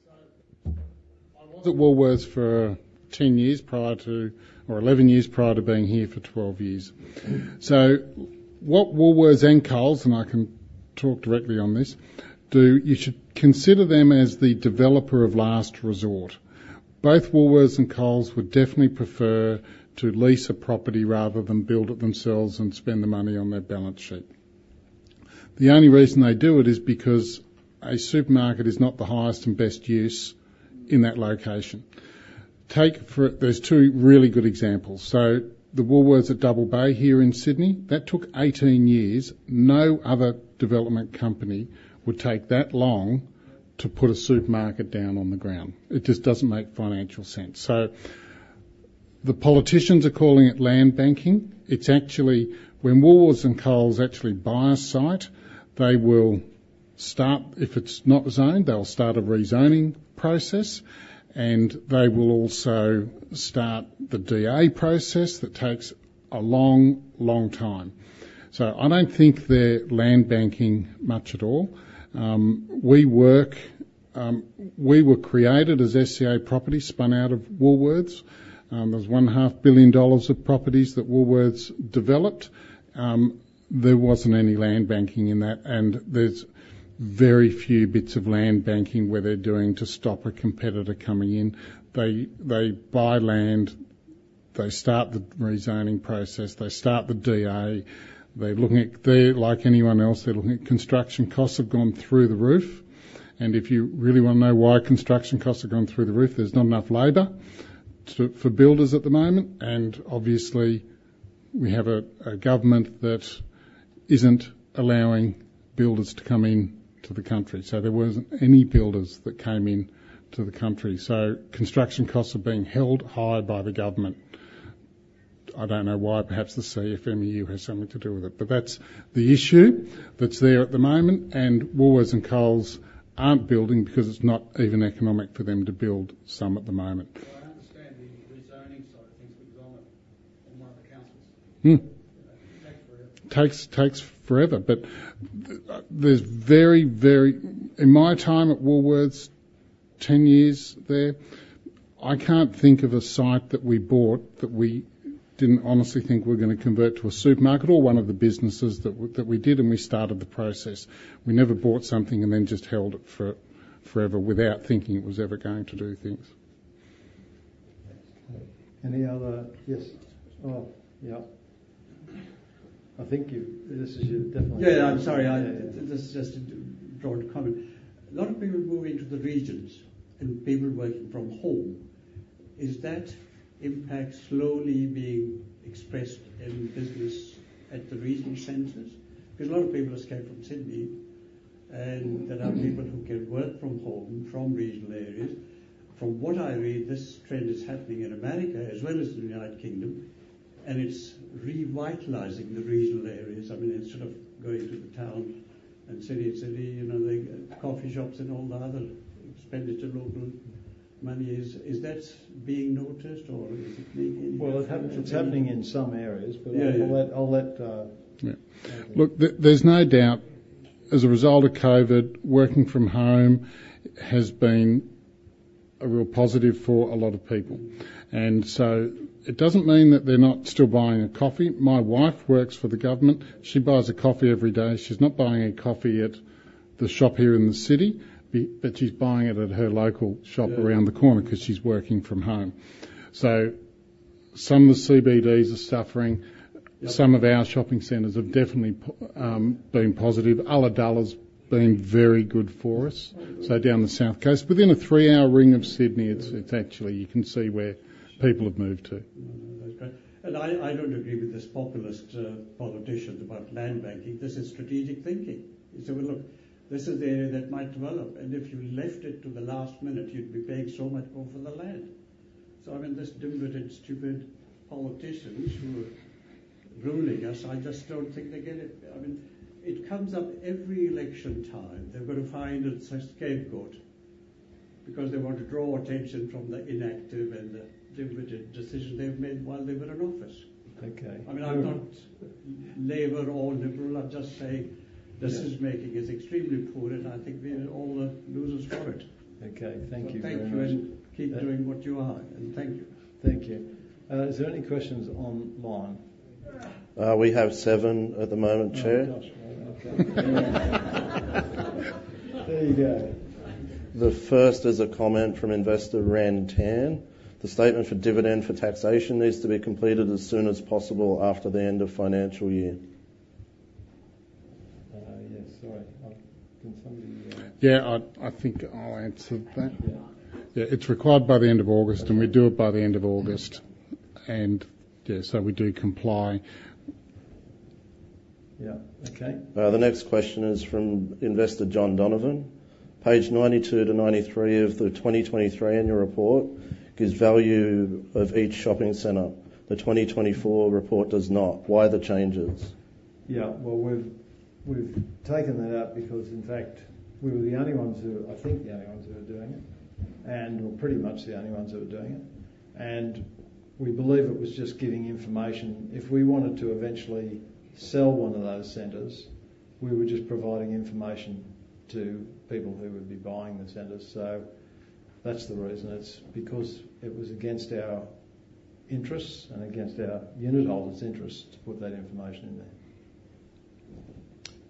So. I was at Woolworths for 10 years prior to or 11 years prior to being here for 12 years. So what Woolworths and Coles—and I can talk directly on this—you should consider them as the developer of last resort. Both Woolworths and Coles would definitely prefer to lease a property rather than build it themselves and spend the money on their balance sheet. The only reason they do it is because a supermarket is not the highest and best use in that location. Take those two really good examples. So the Woolworths at Double Bay here in Sydney, that took 18 years. No other development company would take that long to put a supermarket down on the ground. It just doesn't make financial sense. So the politicians are calling it land banking. When Woolworths and Coles actually buy a site, if it's not zoned, they'll start a rezoning process. And they will also start the DA process that takes a long, long time. So I don't think they're land banking much at all. We were created as SCA Property, spun out of Woolworths. There's 500 million dollars of properties that Woolworths developed. There wasn't any land banking in that. There's very few bits of land banking where they're doing to stop a competitor coming in. They buy land. They start the rezoning process. They start the DA. They're looking at, like anyone else, they're looking at construction costs have gone through the roof. If you really want to know why construction costs have gone through the roof, there's not enough labour for builders at the moment. Obviously, we have a government that isn't allowing builders to come into the country. There weren't any builders that came into the country. Construction costs are being held high by the government. I don't know why. Perhaps the CFMEU has something to do with it. That's the issue that's there at the moment. Woolworths and Coles aren't building because it's not even economic for them to build some at the moment. So I understand the rezoning side of things because I'm on one of the councils. It takes forever. Takes forever. But there's very, very—in my time at Woolworths, 10 years there, I can't think of a site that we bought that we didn't honestly think we were going to convert to a supermarket or one of the businesses that we did and we started the process. We never bought something and then just held it forever without thinking it was ever going to do things. Oh. Yeah. I'm sorry. This is just a broad comment. A lot of people moving to the regions and people working from home, is that impact slowly being expressed in business at the regional centers? Because a lot of people escape from Sydney. And there are people who can work from home, from regional areas. From what I read, this trend is happening in America as well as the United Kingdom, and it's revitalizing the regional areas. I mean, instead of going to the town and city and city, the coffee shops and all the other expenditure local money, is that being noticed or is it being well, it's happening in some areas. But I'll let look, there's no doubt, as a result of COVID, working from home has been a real positive for a lot of people, and so it doesn't mean that they're not still buying a coffee. My wife works for the government. She buys a coffee every day. She's not buying a coffee at the shop here in the city, but she's buying it at her local shop around the corner because she's working from home. Some of the CBDs are suffering. Some of our shopping centers have definitely been positive. Ulladulla's been very good for us. So down the south coast, within a three-hour ring of Sydney, you can see where people have moved to. That's great. And I don't agree with this populist politician about land banking. This is strategic thinking. He said, "Well, look, this is the area that might develop. And if you left it to the last minute, you'd be paying so much more for the land." So I mean, this dim-witted, stupid politicians who are ruling us, I just don't think they get it. I mean, it comes up every election time. They've got to find a scapegoat because they want to draw attention from the inaction and the dim-witted decisions they've made while they were in office. I mean, I'm not Labor or Liberal. I'm just saying decision-making is extremely poor. And I think we're all the losers for it. Okay. Thank you very much. Thank you. And keep doing what you are. And thank you. Thank you. Is there any questions online? We have seven at the moment, Chair. There you go. The first is a comment from Investor Ren Tan. The statement for dividend for taxation needs to be completed as soon as possible after the end of financial year. Yes. Sorry. Can somebody? Yeah. I think I'll answer that. Yeah. It's required by the end of August. And we do it by the end of August. And yeah. So we do comply. Yeah. Okay. The next question is from Investor John Donovan. Page 92 to 93 of the 2023 annual report gives value of each shopping center. The 2024 report does not. Why the changes? Yeah. Well, we've taken that out because, in fact, we were the only ones who? I think the only ones who were doing it. We're pretty much the only ones who were doing it. And we believe it was just giving information. If we wanted to eventually sell one of those centers, we were just providing information to people who would be buying the centers. So that's the reason. It's because it was against our interests and against our unit holders' interests to put that information in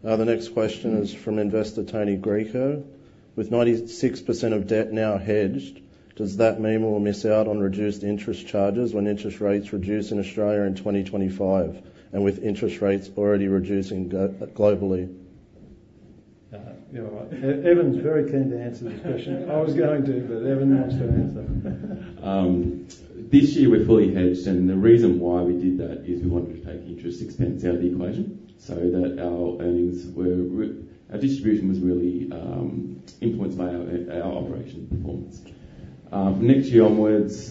there. The next question is from investor Tony Greco. With 96% of debt now hedged, does that mean we'll miss out on reduced interest charges when interest rates reduce in Australia in 2025 and with interest rates already reducing globally? Yeah. Evan's very keen to answer this question. I was going to, but Evan wants to answer. This year, we're fully hedged. The reason why we did that is we wanted to take interest expense out of the equation so that our earnings were, our distribution was really influenced by our operation performance. From next year onwards,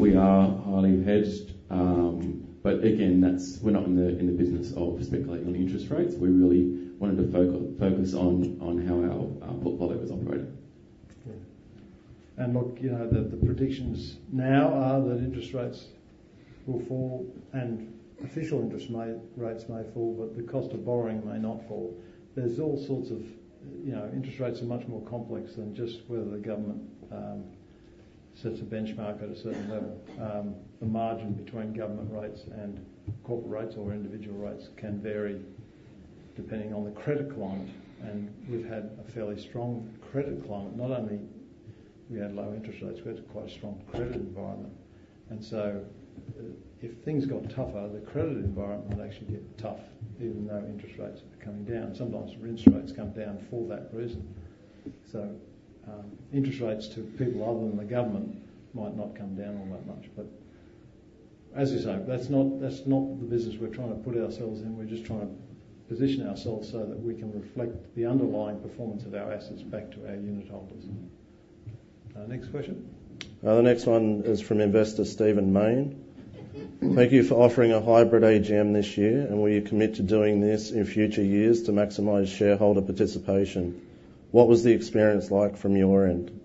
we are highly hedged. But again, we're not in the business of speculating on interest rates. We really wanted to focus on how our portfolio is operating. And look, the predictions now are that interest rates will fall and official interest rates may fall, but the cost of borrowing may not fall. There's all sorts of, interest rates are much more complex than just whether the government sets a benchmark at a certain level. The margin between government rates and corporate rates or individual rates can vary depending on the credit climate. And we've had a fairly strong credit climate. Not only we had low interest rates, we had quite a strong credit environment. And so if things got tougher, the credit environment might actually get tough even though interest rates are coming down. Sometimes interest rates come down for that reason. So interest rates to people other than the government might not come down all that much. But as you say, that's not the business we're trying to put ourselves in. We're just trying to position ourselves so that we can reflect the underlying performance of our assets back to our unit holders. Next question. The next one is from investor Stephen Main. Thank you for offering a hybrid AGM this year. And will you commit to doing this in future years to maximize shareholder participation? What was the experience like from your end?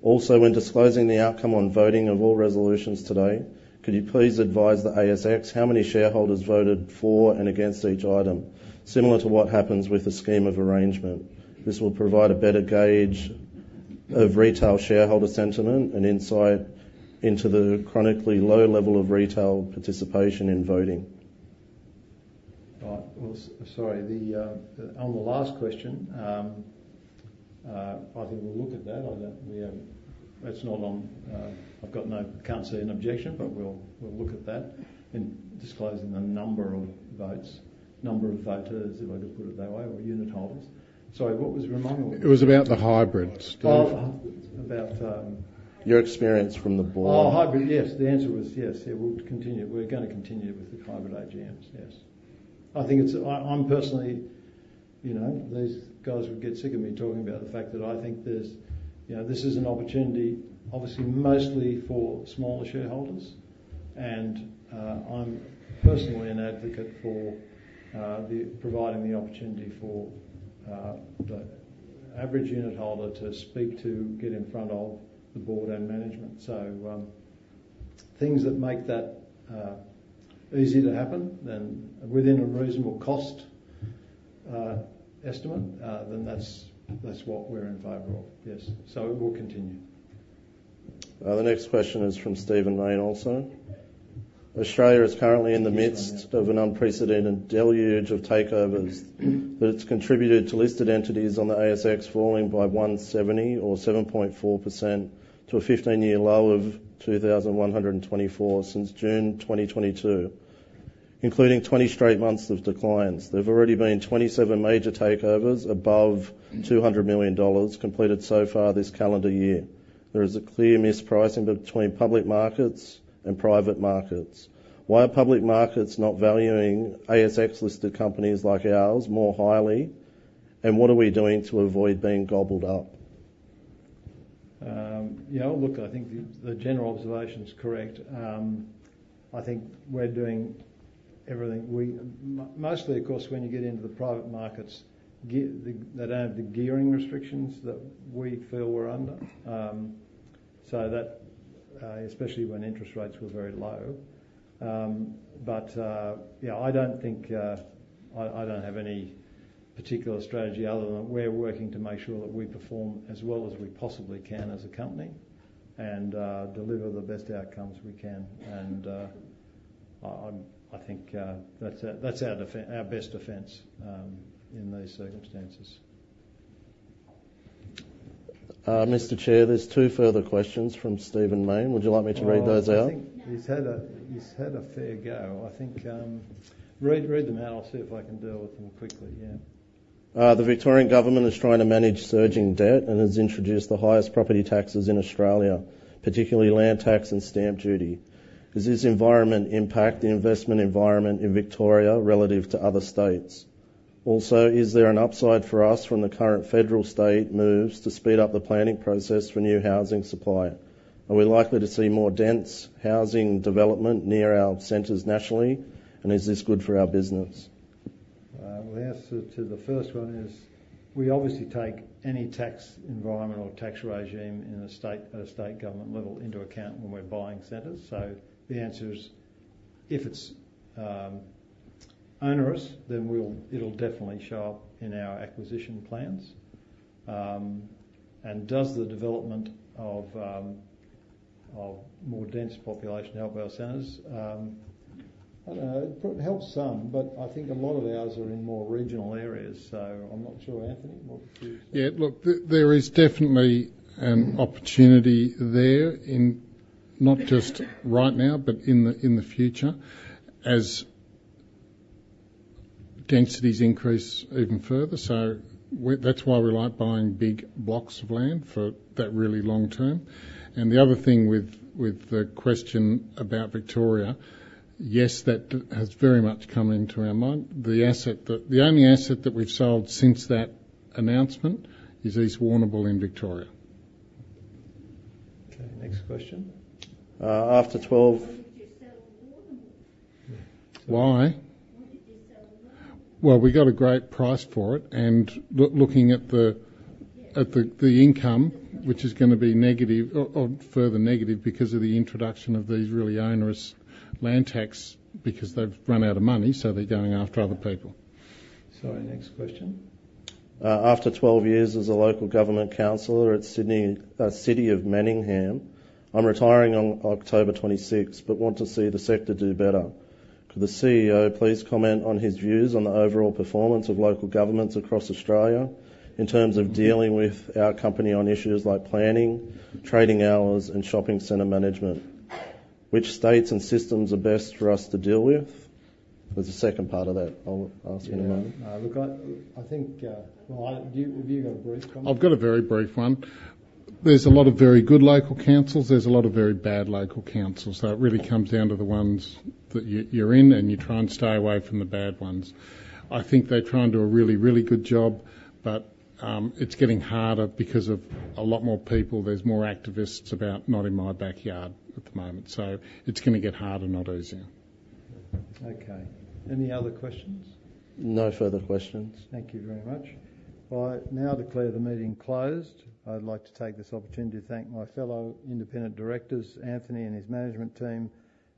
Also, when disclosing the outcome on voting of all resolutions today, could you please advise the ASX how many shareholders voted for and against each item, similar to what happens with the scheme of arrangement? This will provide a better gauge of retail shareholder sentiment and insight into the chronically low level of retail participation in voting. Right. Sorry. On the last question, I think we'll look at that. That's not on. I can't see an objection. But we'll look at that in disclosing the number of votes, number of voters, if I could put it that way, or unit holders. Sorry. What was your remark? It was about the hybrids. About your experience from the board. Oh, hybrid. Yes. The answer was yes. Yeah. We'll continue. We're going to continue with the hybrid AGMs. Yes. I think it's. I'm personally. These guys would get sick of me talking about the fact that I think this is an opportunity, obviously, mostly for smaller shareholders, and I'm personally an advocate for providing the opportunity for the average unit holder to speak to, get in front of the board and management, so things that make that easy to happen within a reasonable cost estimate, then that's what we're in favour of. Yes, so we'll continue. The next question is from Stephen Main also. Australia is currently in the midst of an unprecedented deluge of takeovers, but it's contributed to listed entities on the ASX falling by 170 or 7.4% to a 15-year low of 2,124 since June 2022, including 20 straight months of declines. There've already been 27 major takeovers above 200 million dollars completed so far this calendar year. There is a clear mispricing between public markets and private markets. Why are public markets not valuing ASX-listed companies like ours more highly? And what are we doing to avoid being gobbled up? Yeah. Look, I think the general observation's correct. I think we're doing everything mostly, of course, when you get into the private markets, they don't have the gearing restrictions that we feel we're under. So that, especially when interest rates were very low. But yeah, I don't think I have any particular strategy other than we're working to make sure that we perform as well as we possibly can as a company and deliver the best outcomes we can. And I think that's our best defense in these circumstances. Mr. Chair, there's two further questions from Stephen Main. Would you like me to read those out? He's had a fair go. I think read them out. I'll see if I can deal with them quickly. Yeah. The Victorian government is trying to manage surging debt and has introduced the highest property taxes in Australia, particularly land tax and stamp duty. Does this environment impact the investment environment in Victoria relative to other states? Also, is there an upside for us from the current federal state moves to speed up the planning process for new housing supply? Are we likely to see more dense housing development near our centers nationally? And is this good for our business? Well, the answer to the first one is we obviously take any tax environment or tax regime at a state government level into account when we're buying centers. So the answer is if it's onerous, then it'll definitely show up in our acquisition plans. And does the development of more dense population help our centers? I don't know. It helps some. But I think a lot of ours are in more regional areas. So I'm not sure, Anthony. What would you? Yeah. Look, there is definitely an opportunity there in not just right now, but in the future as densities increase even further. So that's why we like buying big blocks of land for that really long term. And the other thing with the question about Victoria, yes, that has very much come into our mind. The only asset that we've sold since that announcement is East Warrnambool in Victoria. Okay. Next question. After 12, why did you sell Warrnambool? Why? Why did you sell Warrnambool? Well, we got a great price for it. And looking at the income, which is going to be negative or further negative because of the introduction of these really onerous land taxes because they've run out of money. So they're going after other people. Sorry. Next question. After 12 years as a local government councillor at City of Manningham, I'm retiring on October 26th but want to see the sector do better. Could the CEO please comment on his views on the overall performance of local governments across Australia in terms of dealing with our company on issues like planning, trading hours, and shopping centre management? Which states and systems are best for us to deal with? There's a second part of that I'll ask in a moment. Look, I think, well, have you got a brief one? I've got a very brief one. There's a lot of very good local councils. There's a lot of very bad local councils. So it really comes down to the ones that you're in. And you try and stay away from the bad ones. I think they're trying to do a really, really good job. But it's getting harder because of a lot more people. There's more activists about not in my backyard at the moment. So it's going to get harder, not easier. Okay. Any other questions? No further questions. Thank you very much. All right. Now, I declare the meeting closed. I'd like to take this opportunity to thank my fellow independent directors, Anthony and his management team,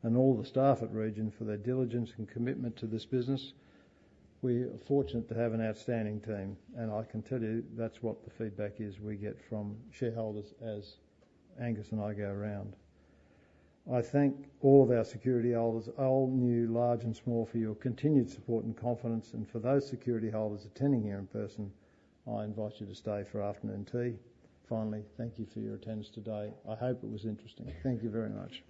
and all the staff at Region for their diligence and commitment to this business. We are fortunate to have an outstanding team. And I can tell you that's what the feedback is we get from shareholders as Angus and I go around. I thank all of our security holders, all new, large, and small, for your continued support and confidence. And for those security holders attending here in person, I invite you to stay for afternoon tea. Finally, thank you for your attendance today. I hope it was interesting. Thank you very much.